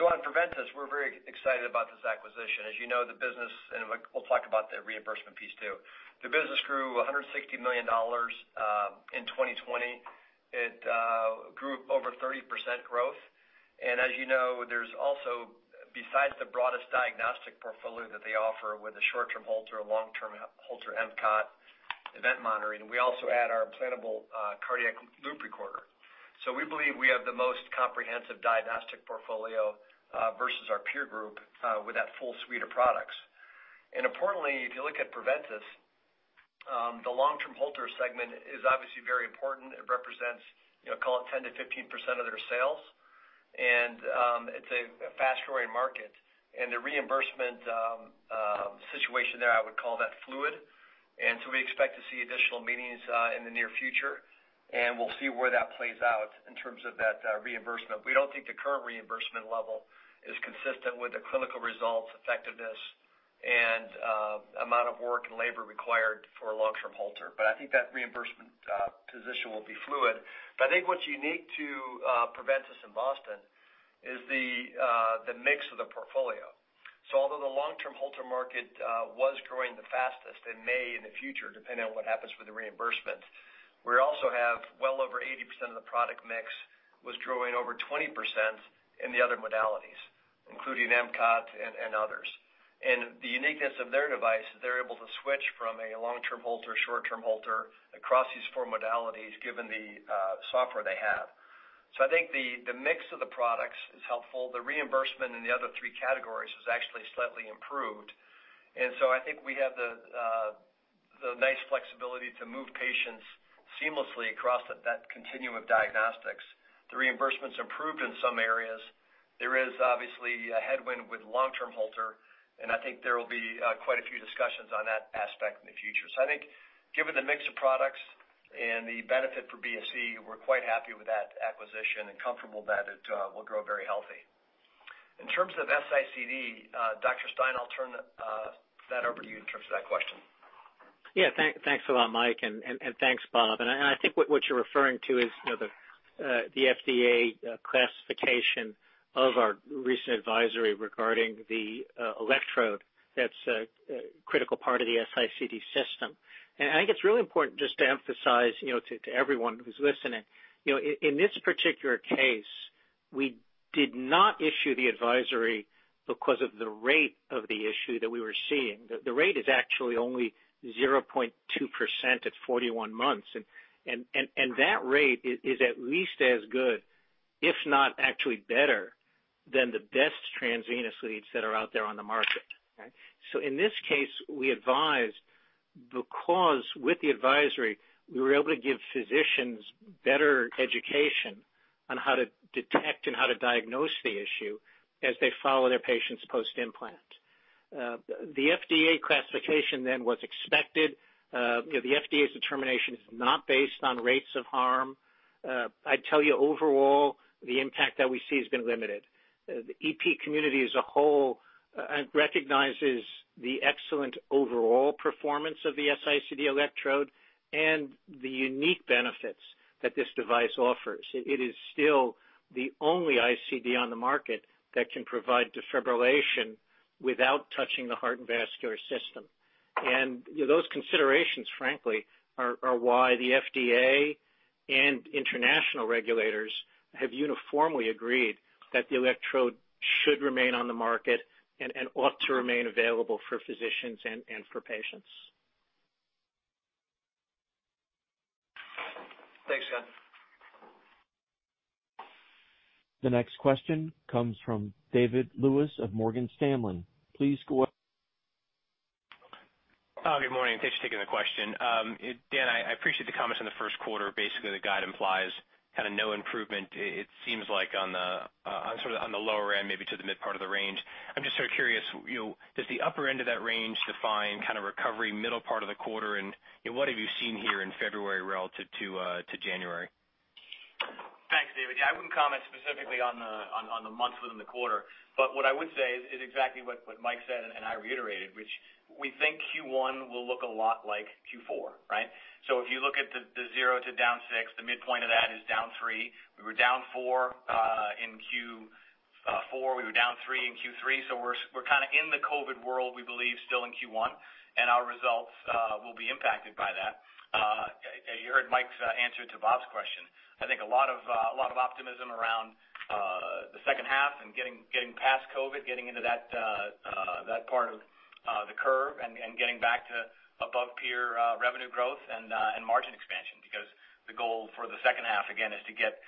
[SPEAKER 3] On Preventice, we're very excited about this acquisition. As you know, the business, and we'll talk about the reimbursement piece, too. The business grew $160 million in 2020. It grew over 30% growth. As you know, there's also, besides the broadest diagnostic portfolio that they offer with the short-term Holter, long-term Holter MCOT event monitoring, we also add our implantable cardiac loop recorder. We believe we have the most comprehensive diagnostic portfolio versus our peer group with that full suite of products. Importantly, if you look at Preventice, the long-term Holter segment is obviously very important. It represents, call it 10%-15% of their sales. It's a fast-growing market. The reimbursement situation there, I would call that fluid. We expect to see additional meetings in the near future, and we will see where that plays out in terms of that reimbursement. We don't think the current reimbursement level is consistent with the clinical results, effectiveness, and amount of work and labor required for a long-term Holter. I think that reimbursement position will be fluid. I think what's unique to Preventice and Boston is the mix of the portfolio. Although the long-term Holter market was growing the fastest, it may in the future, depending on what happens with the reimbursement. We also have well over 80% of the product mix was growing over 20% in the other modalities, including MCOT and others. The uniqueness of their device is they're able to switch from a long-term Holter, short-term Holter across these four modalities given the software they have. I think the mix of the products is helpful. The reimbursement in the other three categories has actually slightly improved. I think we have the nice flexibility to move patients seamlessly across that continuum of diagnostics. The reimbursement's improved in some areas. There is obviously a headwind with long-term Holter. I think there will be quite a few discussions on that aspect in the future. I think given the mix of products and the benefit for BSC, we're quite happy with that acquisition and comfortable that it will grow very healthy. In terms of S-ICD, Dr. Stein, I'll turn that over to you in terms of that question.
[SPEAKER 6] Thanks a lot, Mike, and thanks, Bob. I think what you're referring to is the FDA classification of our recent advisory regarding the electrode that's a critical part of the S-ICD system. I think it's really important just to emphasize to everyone who's listening, in this particular case, we did not issue the advisory because of the rate of the issue that we were seeing. The rate is actually only 0.2% at 41 months, and that rate is at least as good, if not actually better, than the best transvenous leads that are out there on the market. In this case, we advised because with the advisory, we were able to give physicians better education on how to detect and how to diagnose the issue as they follow their patients post-implant. The FDA classification was expected. The FDA's determination is not based on rates of harm. I'd tell you overall, the impact that we see has been limited. The EP community as a whole recognizes the excellent overall performance of the S-ICD electrode and the unique benefits that this device offers. It is still the only ICD on the market that can provide defibrillation without touching the heart and vascular system. Those considerations, frankly, are why the FDA and international regulators have uniformly agreed that the electrode should remain on the market and ought to remain available for physicians and for patients.
[SPEAKER 5] Thanks, Ken.
[SPEAKER 1] The next question comes from David Lewis of Morgan Stanley. Please go ahead.
[SPEAKER 7] Good morning. Thanks for taking the question. Dan, I appreciate the comments on the first quarter. Basically, the guide implies kind of no improvement, it seems like on the sort of on the lower end, maybe to the mid part of the range. I'm just sort of curious, does the upper end of that range define kind of recovery, middle part of the quarter, and what have you seen here in February relative to January?
[SPEAKER 4] I wouldn't comment specifically on the months within the quarter, but what I would say is exactly what Mike said, and I reiterated, which we think Q1 will look a lot like Q4, right? If you look at the 0% to down 6%, the midpoint of that is down 3%. We were down 4% in Q4, we were down 3% in Q3. We're kind of in the COVID world, we believe still in Q1, and our results will be impacted by that. You heard Mike's answer to Bob's question. I think a lot of optimism around the second half and getting past COVID, getting into that part of the curve and getting back to above peer revenue growth and margin expansion. The goal for the second half, again, is to get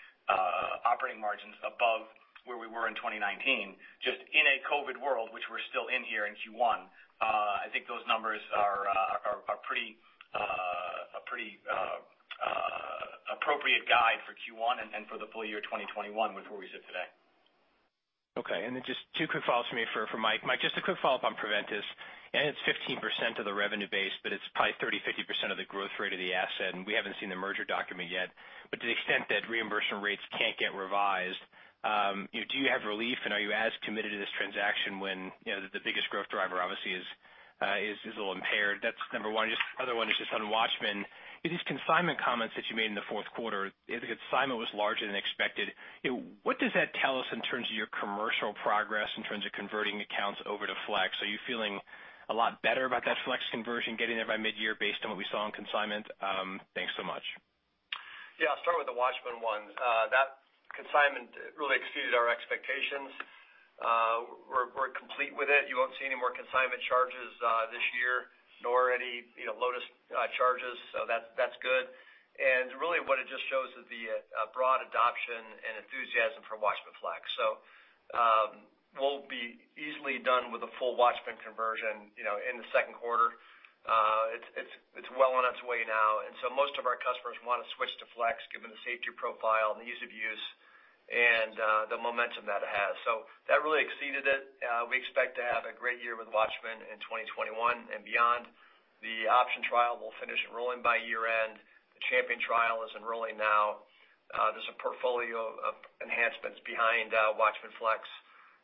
[SPEAKER 4] operating margins above where we were in 2019, just in a COVID world, which we're still in here in Q1. I think those numbers are a pretty appropriate guide for Q1 and for the full year 2021 with where we sit today.
[SPEAKER 7] Okay. Just two quick follows for me for Mike. Mike, just a quick follow-up on Preventice. It's 15% of the revenue base, but it's probably 30%-50% of the growth rate of the asset. We haven't seen the merger document yet. To the extent that reimbursement rates can't get revised, do you have relief and are you as committed to this transaction when the biggest growth driver obviously is a little impaired? That's number one. Other one is just on WATCHMAN. These consignment comments that you made in the fourth quarter, I think consignment was larger than expected. What does that tell us in terms of your commercial progress in terms of converting accounts over to FLX? Are you feeling a lot better about that FLX conversion getting there by mid-year based on what we saw in consignment? Thanks so much.
[SPEAKER 3] Yeah, I'll start with the WATCHMAN one. That consignment really exceeded our expectations. We're complete with it. You won't see any more consignment charges this year, nor any Lotus charges. That's good. Really what it just shows is the broad adoption and enthusiasm for WATCHMAN FLX. We'll be easily done with the full WATCHMAN conversion in the second quarter. It's well on its way now. Most of our customers want to switch to FLX given the safety profile and the ease of use and the momentum that it has. That really exceeded it. We expect to have a great year with WATCHMAN in 2021 and beyond. The OPTION trial will finish enrolling by year-end. The CHAMPION-AF trial is enrolling now. There's a portfolio of enhancements behind WATCHMAN FLX.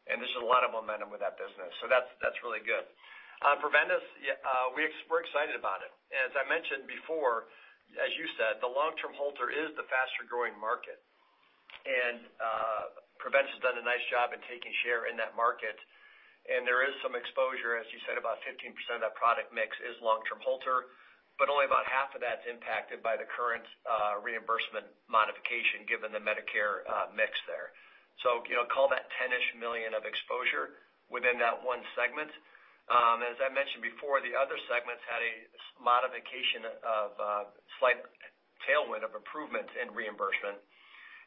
[SPEAKER 3] There's a lot of momentum with that business. That's really good. Preventice, we're excited about it. As I mentioned before, as you said, the long-term Holter is the faster-growing market, and Preventice has done a nice job in taking share in that market. There is some exposure, as you said, about 15% of that product mix is long-term Holter, but only about half of that's impacted by the current reimbursement modification given the Medicare mix there. Call that $10-ish million of exposure within that one segment. As I mentioned before, the other segments had a modification of slight tailwind of improvements in reimbursement.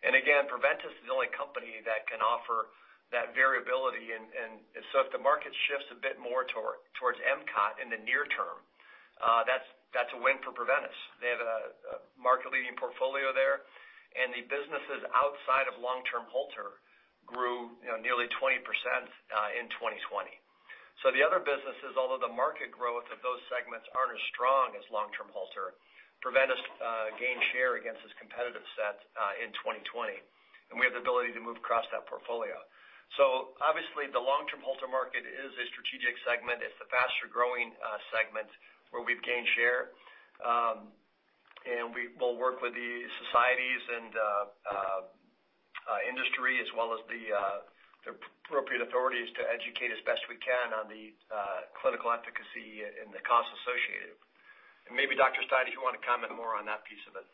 [SPEAKER 3] Again, Preventice is the only company that can offer that variability. If the market shifts a bit more towards MCOT in the near term-That's a win for Preventice. They have a market leading portfolio there, and the businesses outside of long-term Holter grew nearly 20% in 2020. The other businesses, although the market growth of those segments aren't as strong as long-term Holter, Preventice gained share against its competitive set in 2020, and we have the ability to move across that portfolio. Obviously the long-term Holter market is a strategic segment. It's the faster-growing segment where we've gained share. We will work with the societies and industry as well as the appropriate authorities to educate as best we can on the clinical efficacy and the cost associated. Maybe Dr. Stein, if you want to comment more on that piece of it.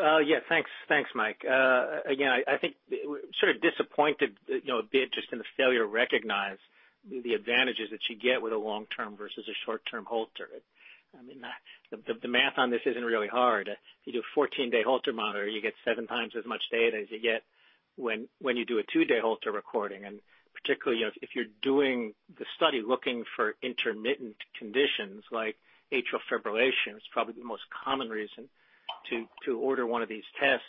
[SPEAKER 6] Yeah. Thanks, Mike. Again, I think we're sort of disappointed a bit just in the failure to recognize the advantages that you get with a long-term versus a short-term Holter. The math on this isn't really hard. If you do a 14-day Holter monitor, you get seven times as much data as you get when you do a two-day Holter recording, and particularly if you're doing the study looking for intermittent conditions like atrial fibrillation, it's probably the most common reason to order one of these tests.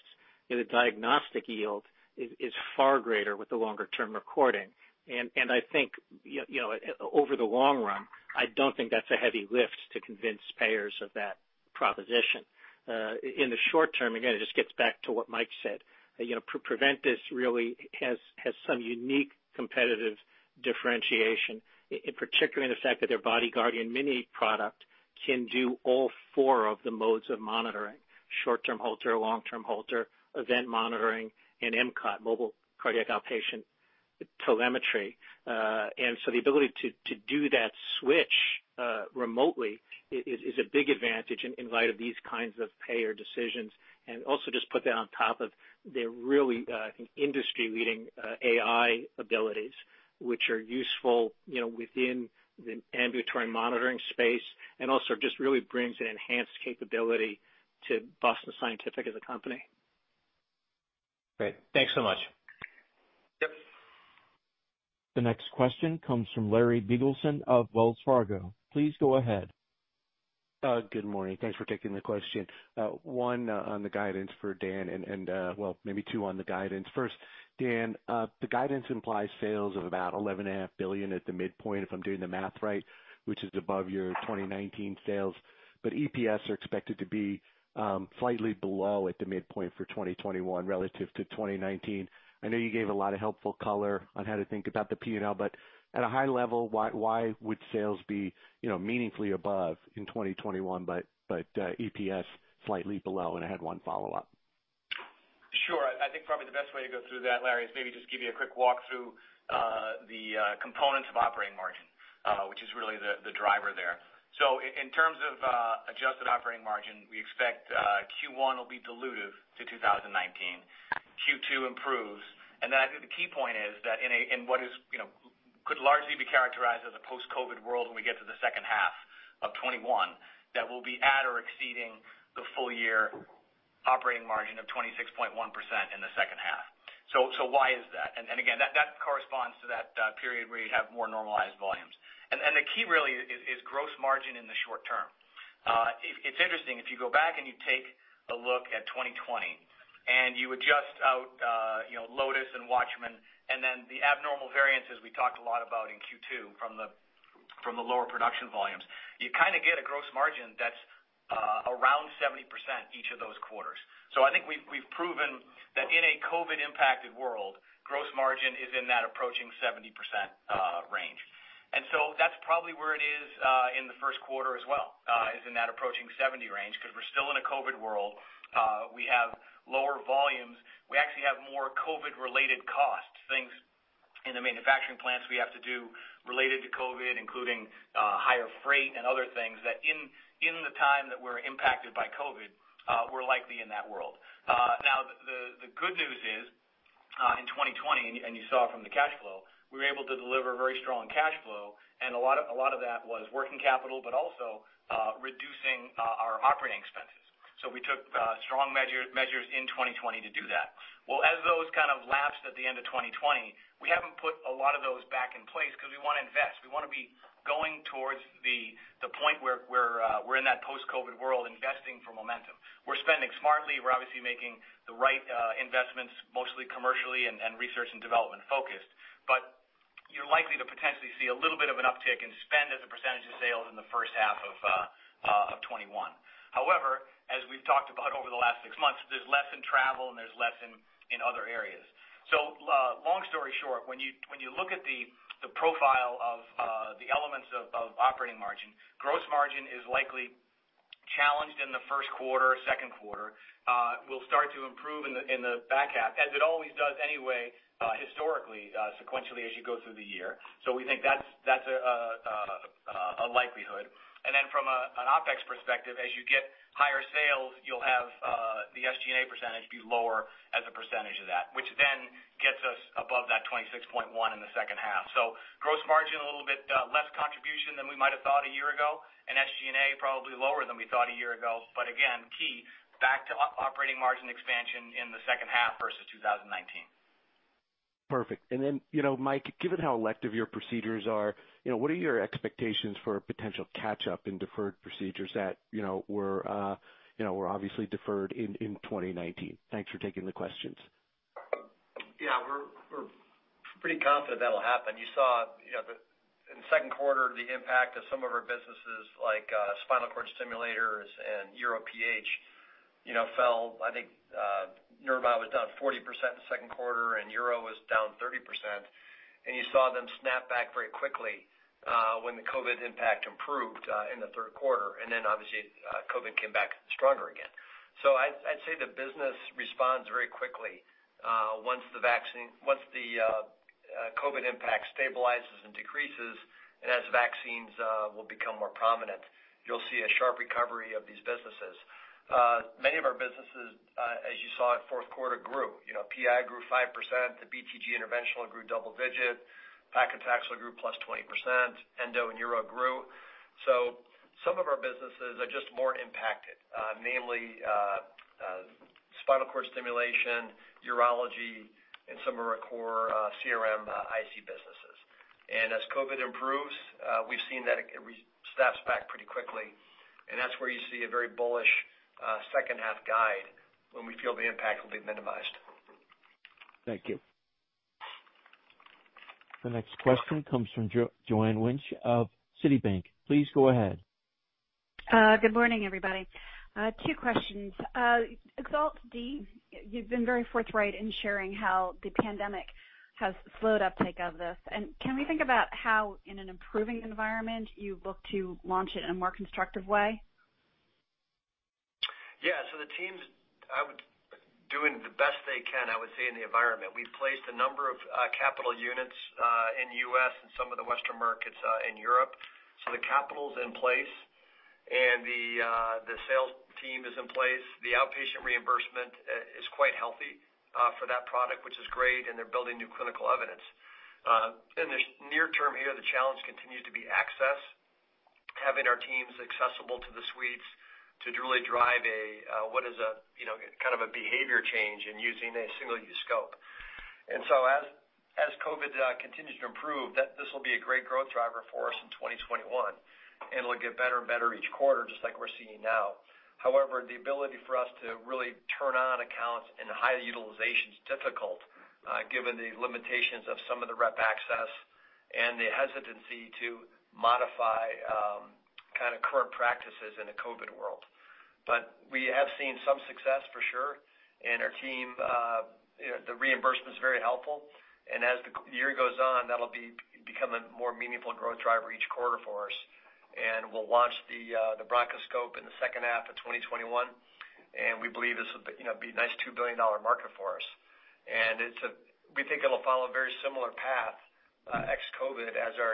[SPEAKER 6] The diagnostic yield is far greater with the longer-term recording. I think, over the long run, I don't think that's a heavy lift to convince payers of that proposition. In the short term, again, it just gets back to what Mike said. Preventice really has some unique competitive differentiation, in particular in the fact that their BodyGuardian Mini product can do all four of the modes of monitoring, short-term Holter, long-term Holter, event monitoring, and MCOT, mobile cardiac outpatient telemetry. The ability to do that switch remotely is a big advantage in light of these kinds of payer decisions. Also just put that on top of their really industry-leading AI abilities, which are useful within the ambulatory monitoring space, and also just really brings an enhanced capability to Boston Scientific as a company.
[SPEAKER 7] Great. Thanks so much.
[SPEAKER 6] Yep.
[SPEAKER 1] The next question comes from Larry Biegelsen of Wells Fargo. Please go ahead.
[SPEAKER 8] Good morning. Thanks for taking the question. One on the guidance for Dan, well, maybe two on the guidance. First, Dan, the guidance implies sales of about $11.5 billion at the midpoint, if I'm doing the math right, which is above your 2019 sales. EPS are expected to be slightly below at the midpoint for 2021 relative to 2019. I know you gave a lot of helpful color on how to think about the P&L, but at a high level, why would sales be meaningfully above in 2021, but EPS slightly below? I had one follow-up.
[SPEAKER 4] Sure. I think probably the best way to go through that, Larry, is maybe just give you a quick walk through the components of operating margin, which is really the driver there. In terms of adjusted operating margin, we expect Q1 will be dilutive to 2019. Q2 improves, I think the key point is that in what could largely be characterized as a post-COVID world when we get to the second half of 2021, that we'll be at or exceeding the full year operating margin of 26.1% in the second half. Why is that? Again, that corresponds to that period where you have more normalized volumes. The key really is gross margin in the short term. It's interesting, if you go back and you take a look at 2020, and you adjust out Lotus and WATCHMAN, and then the abnormal variances we talked a lot about in Q2 from the lower production volumes, you kind of get a gross margin that's around 70% each of those quarters. I think we've proven that in a COVID impacted world, gross margin is in that approaching 70% range. That's probably where it is in the first quarter as well, is in that approaching 70% range because we're still in a COVID world. We have lower volumes. We actually have more COVID related costs, things in the manufacturing plants we have to do related to COVID, including higher freight and other things that in the time that we're impacted by COVID, we're likely in that world. The good news is in 2020, and you saw from the cash flow, we were able to deliver very strong cash flow, and a lot of that was working capital, but also reducing our operating expenses. We took strong measures in 2020 to do that. As those kind of lapsed at the end of 2020, we haven't put a lot of those back in place because we want to invest. We want to be going towards the point where we're in that post-COVID world investing for momentum. We're spending smartly. We're obviously making the right investments, mostly commercially and research and development focused. You're likely to potentially see a little bit of an uptick in spend as a percentage of sales in the first half of 2021. However, as we've talked about over the last six months, there's less in travel and there's less in other areas. Long story short, when you look at the profile of the elements of operating margin, gross margin is likely challenged in the first quarter, second quarter. We'll start to improve in the back half, as it always does anyway historically, sequentially as you go through the year. We think that's a likelihood. From an OPEX perspective, as you get higher sales, you'll have the SG&A percentage be lower as a percentage of that, which then gets us above that 26.1% in the second half. Gross margin, a little bit less contribution than we might have thought a year ago, and SG&A probably lower than we thought a year ago. Again, key back to operating margin expansion in the second half versus 2019.
[SPEAKER 8] Perfect. Mike, given how elective your procedures are, what are your expectations for a potential catch-up in deferred procedures that were obviously deferred in 2019? Thanks for taking the questions.
[SPEAKER 3] Yeah, we're pretty confident that'll happen. You saw in the second quarter the impact of some of our businesses, like spinal cord stimulators and Uro PH, fell. I think Neuromod was down 40% in the second quarter, and Uro was down 30%, and you saw them snap back very quickly when the COVID impact improved in the third quarter, and then obviously COVID came back stronger again. I'd say the business responds very quickly once the COVID impact stabilizes and decreases, and as vaccines will become more prominent, you'll see a sharp recovery of these businesses. Many of our businesses, as you saw it, fourth quarter grew. PI grew 5%, the BTG Interventional grew double digit. paclitaxel grew +20%, Endo and Neuro grew. Some of our businesses are just more impacted. Namely, spinal cord stimulation, urology, and some of our core CRM IC businesses. As COVID improves, we've seen that it snaps back pretty quickly, and that's where you see a very bullish second half guide when we feel the impact will be minimized.
[SPEAKER 8] Thank you.
[SPEAKER 1] The next question comes from Joanne Wuensch of Citi. Please go ahead.
[SPEAKER 9] Good morning, everybody. Two questions. EXALT D, you've been very forthright in sharing how the pandemic has slowed uptake of this. Can we think about how, in an improving environment, you look to launch it in a more constructive way?
[SPEAKER 3] Yeah. The teams are doing the best they can, I would say, in the environment. We've placed a number of capital units in U.S. and some of the Western markets in Europe. The capital's in place and the sales team is in place. The outpatient reimbursement is quite healthy for that product, which is great, and they're building new clinical evidence. In the near term here, the challenge continues to be access, having our teams accessible to the suites to really drive what is a behavior change in using a single-use scope. As COVID-19 continues to improve, this will be a great growth driver for us in 2021, and it'll get better and better each quarter, just like we're seeing now. However, the ability for us to really turn on accounts and high utilization's difficult given the limitations of some of the rep access and the hesitancy to modify kind of current practices in a COVID world. We have seen some success for sure, and our team, the reimbursement's very helpful, and as the year goes on, that'll become a more meaningful growth driver each quarter for us. We'll launch the bronchoscope in the second half of 2021, and we believe this will be a nice $2 billion market for us. We think it'll follow a very similar path ex-COVID as our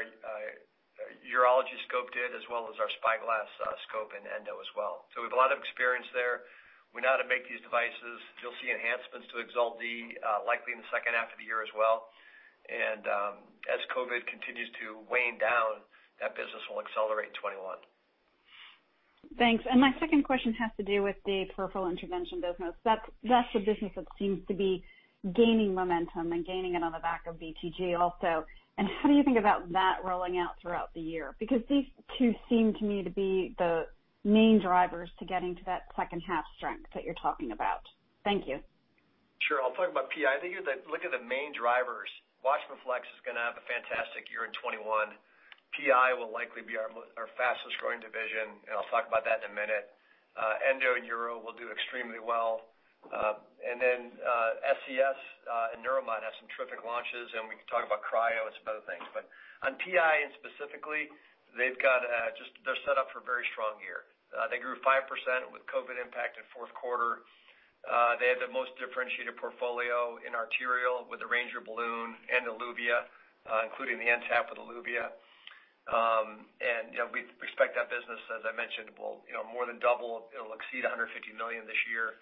[SPEAKER 3] urology scope did, as well as our SpyGlass scope in endo as well. We have a lot of experience there. We know how to make these devices. You'll see enhancements to EXALT Model D likely in the second half of the year as well. As COVID continues to wane down, that business will accelerate in 2021.
[SPEAKER 9] Thanks. My second question has to do with the peripheral intervention business. That's the business that seems to be gaining momentum and gaining it on the back of BTG also. How do you think about that rolling out throughout the year? Because these two seem to me to be the main drivers to getting to that second half strength that you're talking about. Thank you.
[SPEAKER 3] Sure. I'll talk about PI. I think if you look at the main drivers, WATCHMAN FLX is going to have a fantastic year in 2021. PI will likely be our fastest growing division, and I'll talk about that in a minute. Endo and Uro will do extremely well. SCS and Neuromod have some terrific launches, and we can talk about cryo and some other things. On PI and specifically, they're set up for a very strong year. They grew 5% with COVID impact in fourth quarter. They have the most differentiated portfolio in arterial with the Ranger balloon and Eluvia, including the NTAP with Eluvia. We expect that business, as I mentioned, will more than double. It'll exceed $150 million this year.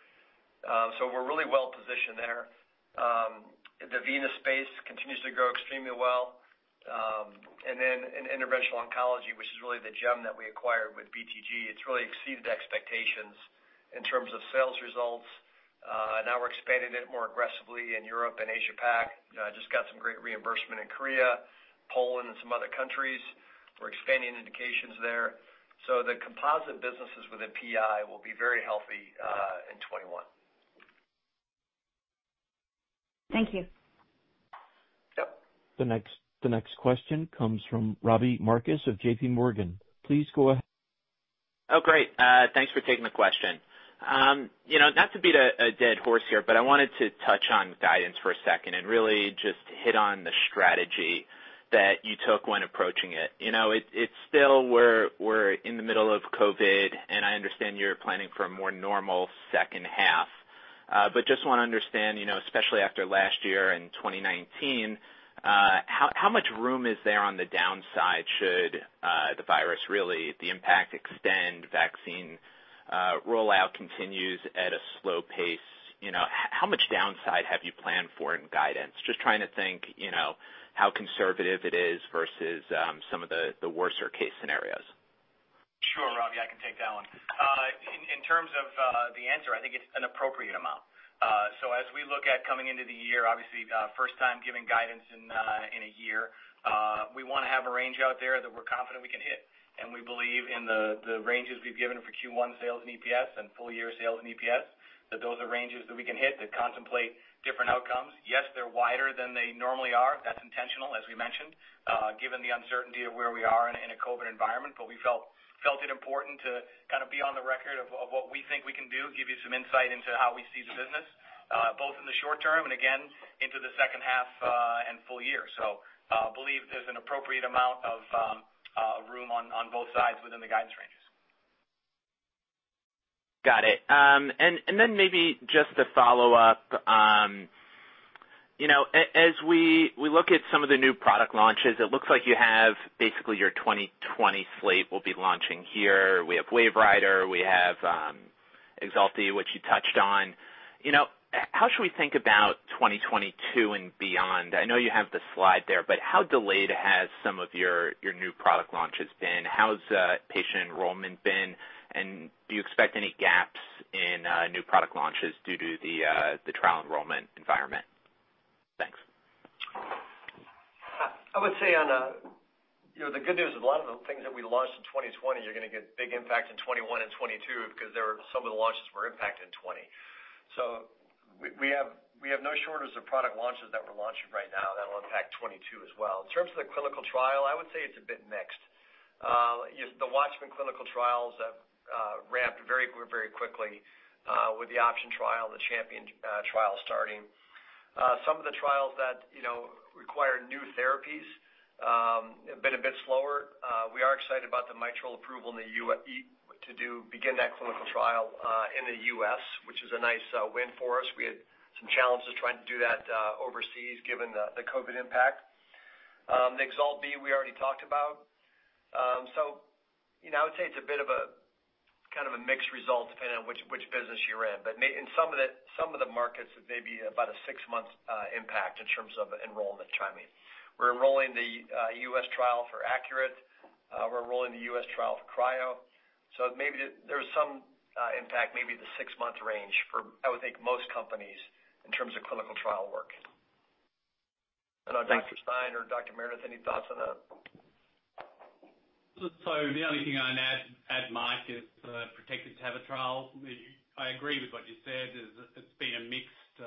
[SPEAKER 3] We're really well positioned there. The venous space continues to grow extremely well. In interventional oncology, which is really the gem that we acquired with BTG, it's really exceeded expectations in terms of sales results. We're expanding it more aggressively in Europe and Asia-Pac. Just got some great reimbursement in Korea, Poland, and some other countries. We're expanding indications there. The composite businesses within PI will be very healthy in 2021.
[SPEAKER 9] Thank you.
[SPEAKER 3] Yep.
[SPEAKER 1] The next question comes from Robbie Marcus of JPMorgan. Please go ahead.
[SPEAKER 10] Great. Thanks for taking the question. Not to beat a dead horse here, I wanted to touch on guidance for a second and really just hit on the strategy that you took when approaching it. It's still we're in the middle of COVID-19, I understand you're planning for a more normal second half. Just want to understand, especially after last year and 2019, how much room is there on the downside should the virus really, the impact extend, vaccine rollout continues at a slow pace. How much downside have you planned for in guidance? Just trying to think how conservative it is versus some of the worser case scenarios.
[SPEAKER 3] Sure, Robbie, I can take that one. In terms of the answer, I think it's an appropriate amount. As we look at coming into the year, obviously first time giving guidance in a year, we want to have a range out there that we're confident we can hit, and we believe in the ranges we've given for Q1 sales and EPS and full year sales and EPS, that those are ranges that we can hit that contemplate different outcomes. They're wider than they normally are. That's intentional, as we mentioned, given the uncertainty of where we are in a COVID-19 environment. We felt it important to be on the record of what we think we can do, give you some insight into how we see the business, both in the short term and again into the second half and full year. Believe there's an appropriate amount of room on both sides within the guidance ranges.
[SPEAKER 10] Got it. Maybe just to follow up, as we look at some of the new product launches, it looks like you have basically your 2020 slate will be launching here. We have WaveWriter, we have EXALT-B, which you touched on. How should we think about 2022 and beyond? I know you have the slide there, how delayed has some of your new product launches been? How has patient enrollment been? Do you expect any gaps in new product launches due to the trial enrollment environment? Thanks.
[SPEAKER 3] I would say the good news is a lot of the things that we launched in 2020, you're going to get big impact in 2021 and 2022 because some of the launches were impacted in 2020. We have no shortage of product launches that we're launching right now that'll impact 2022 as well. In terms of the clinical trial, I would say it's a bit mixed. The WATCHMAN clinical trials ramped very quickly with the OPTION trial and the CHAMPION-AF trial starting. Some of the trials that require new therapies have been a bit slower. We are excited about the mitral approval to begin that clinical trial in the U.S., which is a nice win for us. We had some challenges trying to do that overseas given the COVID impact. The EXALT-B we already talked about. I would say it's a bit of a mixed result depending on which business you're in. In some of the markets, it may be about a six months impact in terms of enrollment timing. We're enrolling the U.S. trial for ACURATE. We're enrolling the U.S. trial for Cryo. Maybe there's some impact, maybe in the six months range for, I would think, most companies in terms of clinical trial work. I don't know, Dr. Stein or Dr. Meredith, any thoughts on that?
[SPEAKER 11] The only thing I'd add, Mike, is PROTECTED TAVR trial. I agree with what you said, is it's been a mixed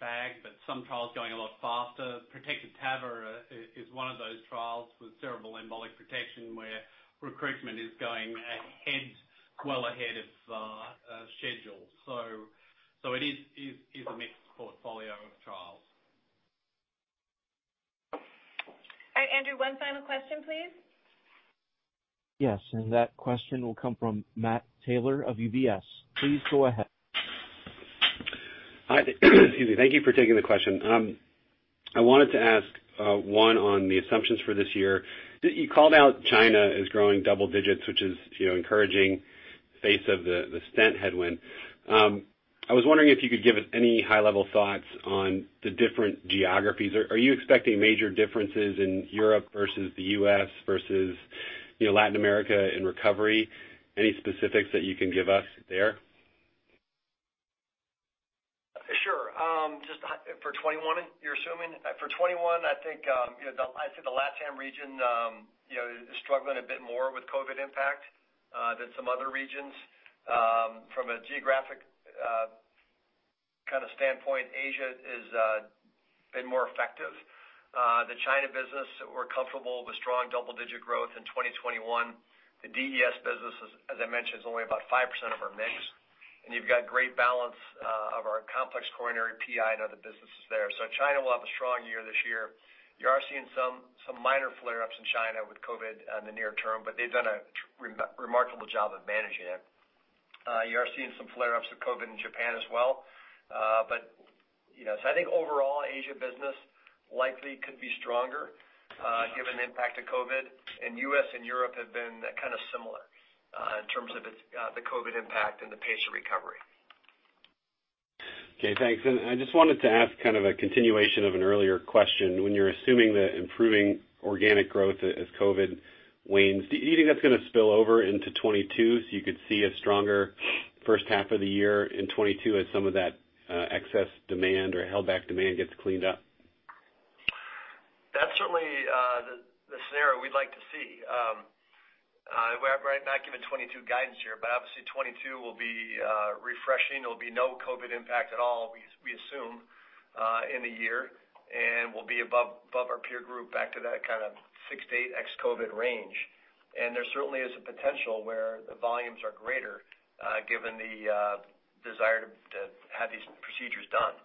[SPEAKER 11] bag, but some trials going a lot faster. PROTECTED TAVR is one of those trials with cerebral embolic protection, where recruitment is going well ahead of schedule. It is a mixed portfolio of trials.
[SPEAKER 2] All right, Andrew, one final question, please.
[SPEAKER 1] Yes, that question will come from Matt Taylor of UBS. Please go ahead.
[SPEAKER 12] Excuse me. Thank you for taking the question. I wanted to ask, one on the assumptions for this year. You called out China as growing double digits, which is encouraging face of the stent headwind. I was wondering if you could give us any high-level thoughts on the different geographies. Are you expecting major differences in Europe versus the U.S. versus Latin America in recovery? Any specifics that you can give us there?
[SPEAKER 3] Sure. For 2021, you're assuming? For 2021, I think the LATAM region is struggling a bit more with COVID impact than some other regions. From a geographic kind of standpoint, Asia has been more effective. The China business, we're comfortable with strong double-digit growth in 2021. The DES business, as I mentioned, is only about 5% of our mix, and you've got great balance of our complex coronary PI and other businesses there. China will have a strong year this year. You are seeing some minor flare-ups in China with COVID in the near term, but they've done a remarkable job of managing it. You are seeing some flare-ups of COVID in Japan as well. I think overall Asia business likely could be stronger given the impact of COVID, and U.S. and Europe have been kind of similar in terms of the COVID impact and the patient recovery.
[SPEAKER 12] Okay, thanks. I just wanted to ask kind of a continuation of an earlier question. When you're assuming the improving organic growth as COVID wanes, do you think that's going to spill over into 2022 so you could see a stronger first half of the year in 2022 as some of that excess demand or held back demand gets cleaned up?
[SPEAKER 3] That's certainly the scenario we'd like to see. We're not giving 2022 guidance here, but obviously 2022 will be refreshing. There'll be no COVID impact at all, we assume, in the year, and we'll be above our peer group back to that kind of 6%-8% ex-COVID range. There certainly is a potential where the volumes are greater given the desire to have these procedures done.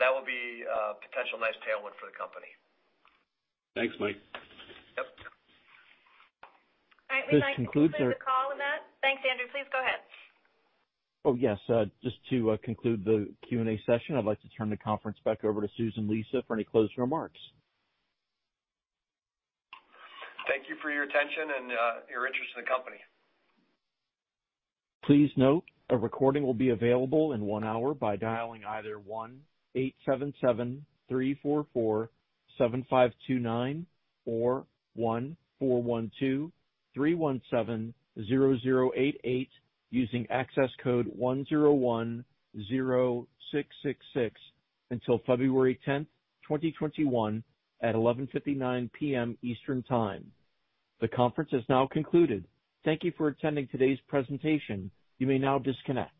[SPEAKER 3] That will be a potential nice tailwind for the company.
[SPEAKER 12] Thanks, Mike.
[SPEAKER 3] Yep.
[SPEAKER 2] All right. We'd like to conclude the call on that. Thanks, Andrew. Please go ahead.
[SPEAKER 1] Oh, yes. Just to conclude the Q&A session, I'd like to turn the conference back over to Susan Lisa for any closing remarks.
[SPEAKER 2] Thank you for your attention and your interest in the company.
[SPEAKER 1] Please note a recording will be available in one hour by dialing either 1-877-344-7529 or 1-412-317-0088 using access code 1010666 until February 10th, 2021, at 11:59 PM Eastern Time. The conference has now concluded. Thank you for attending today's presentation. You may now disconnect.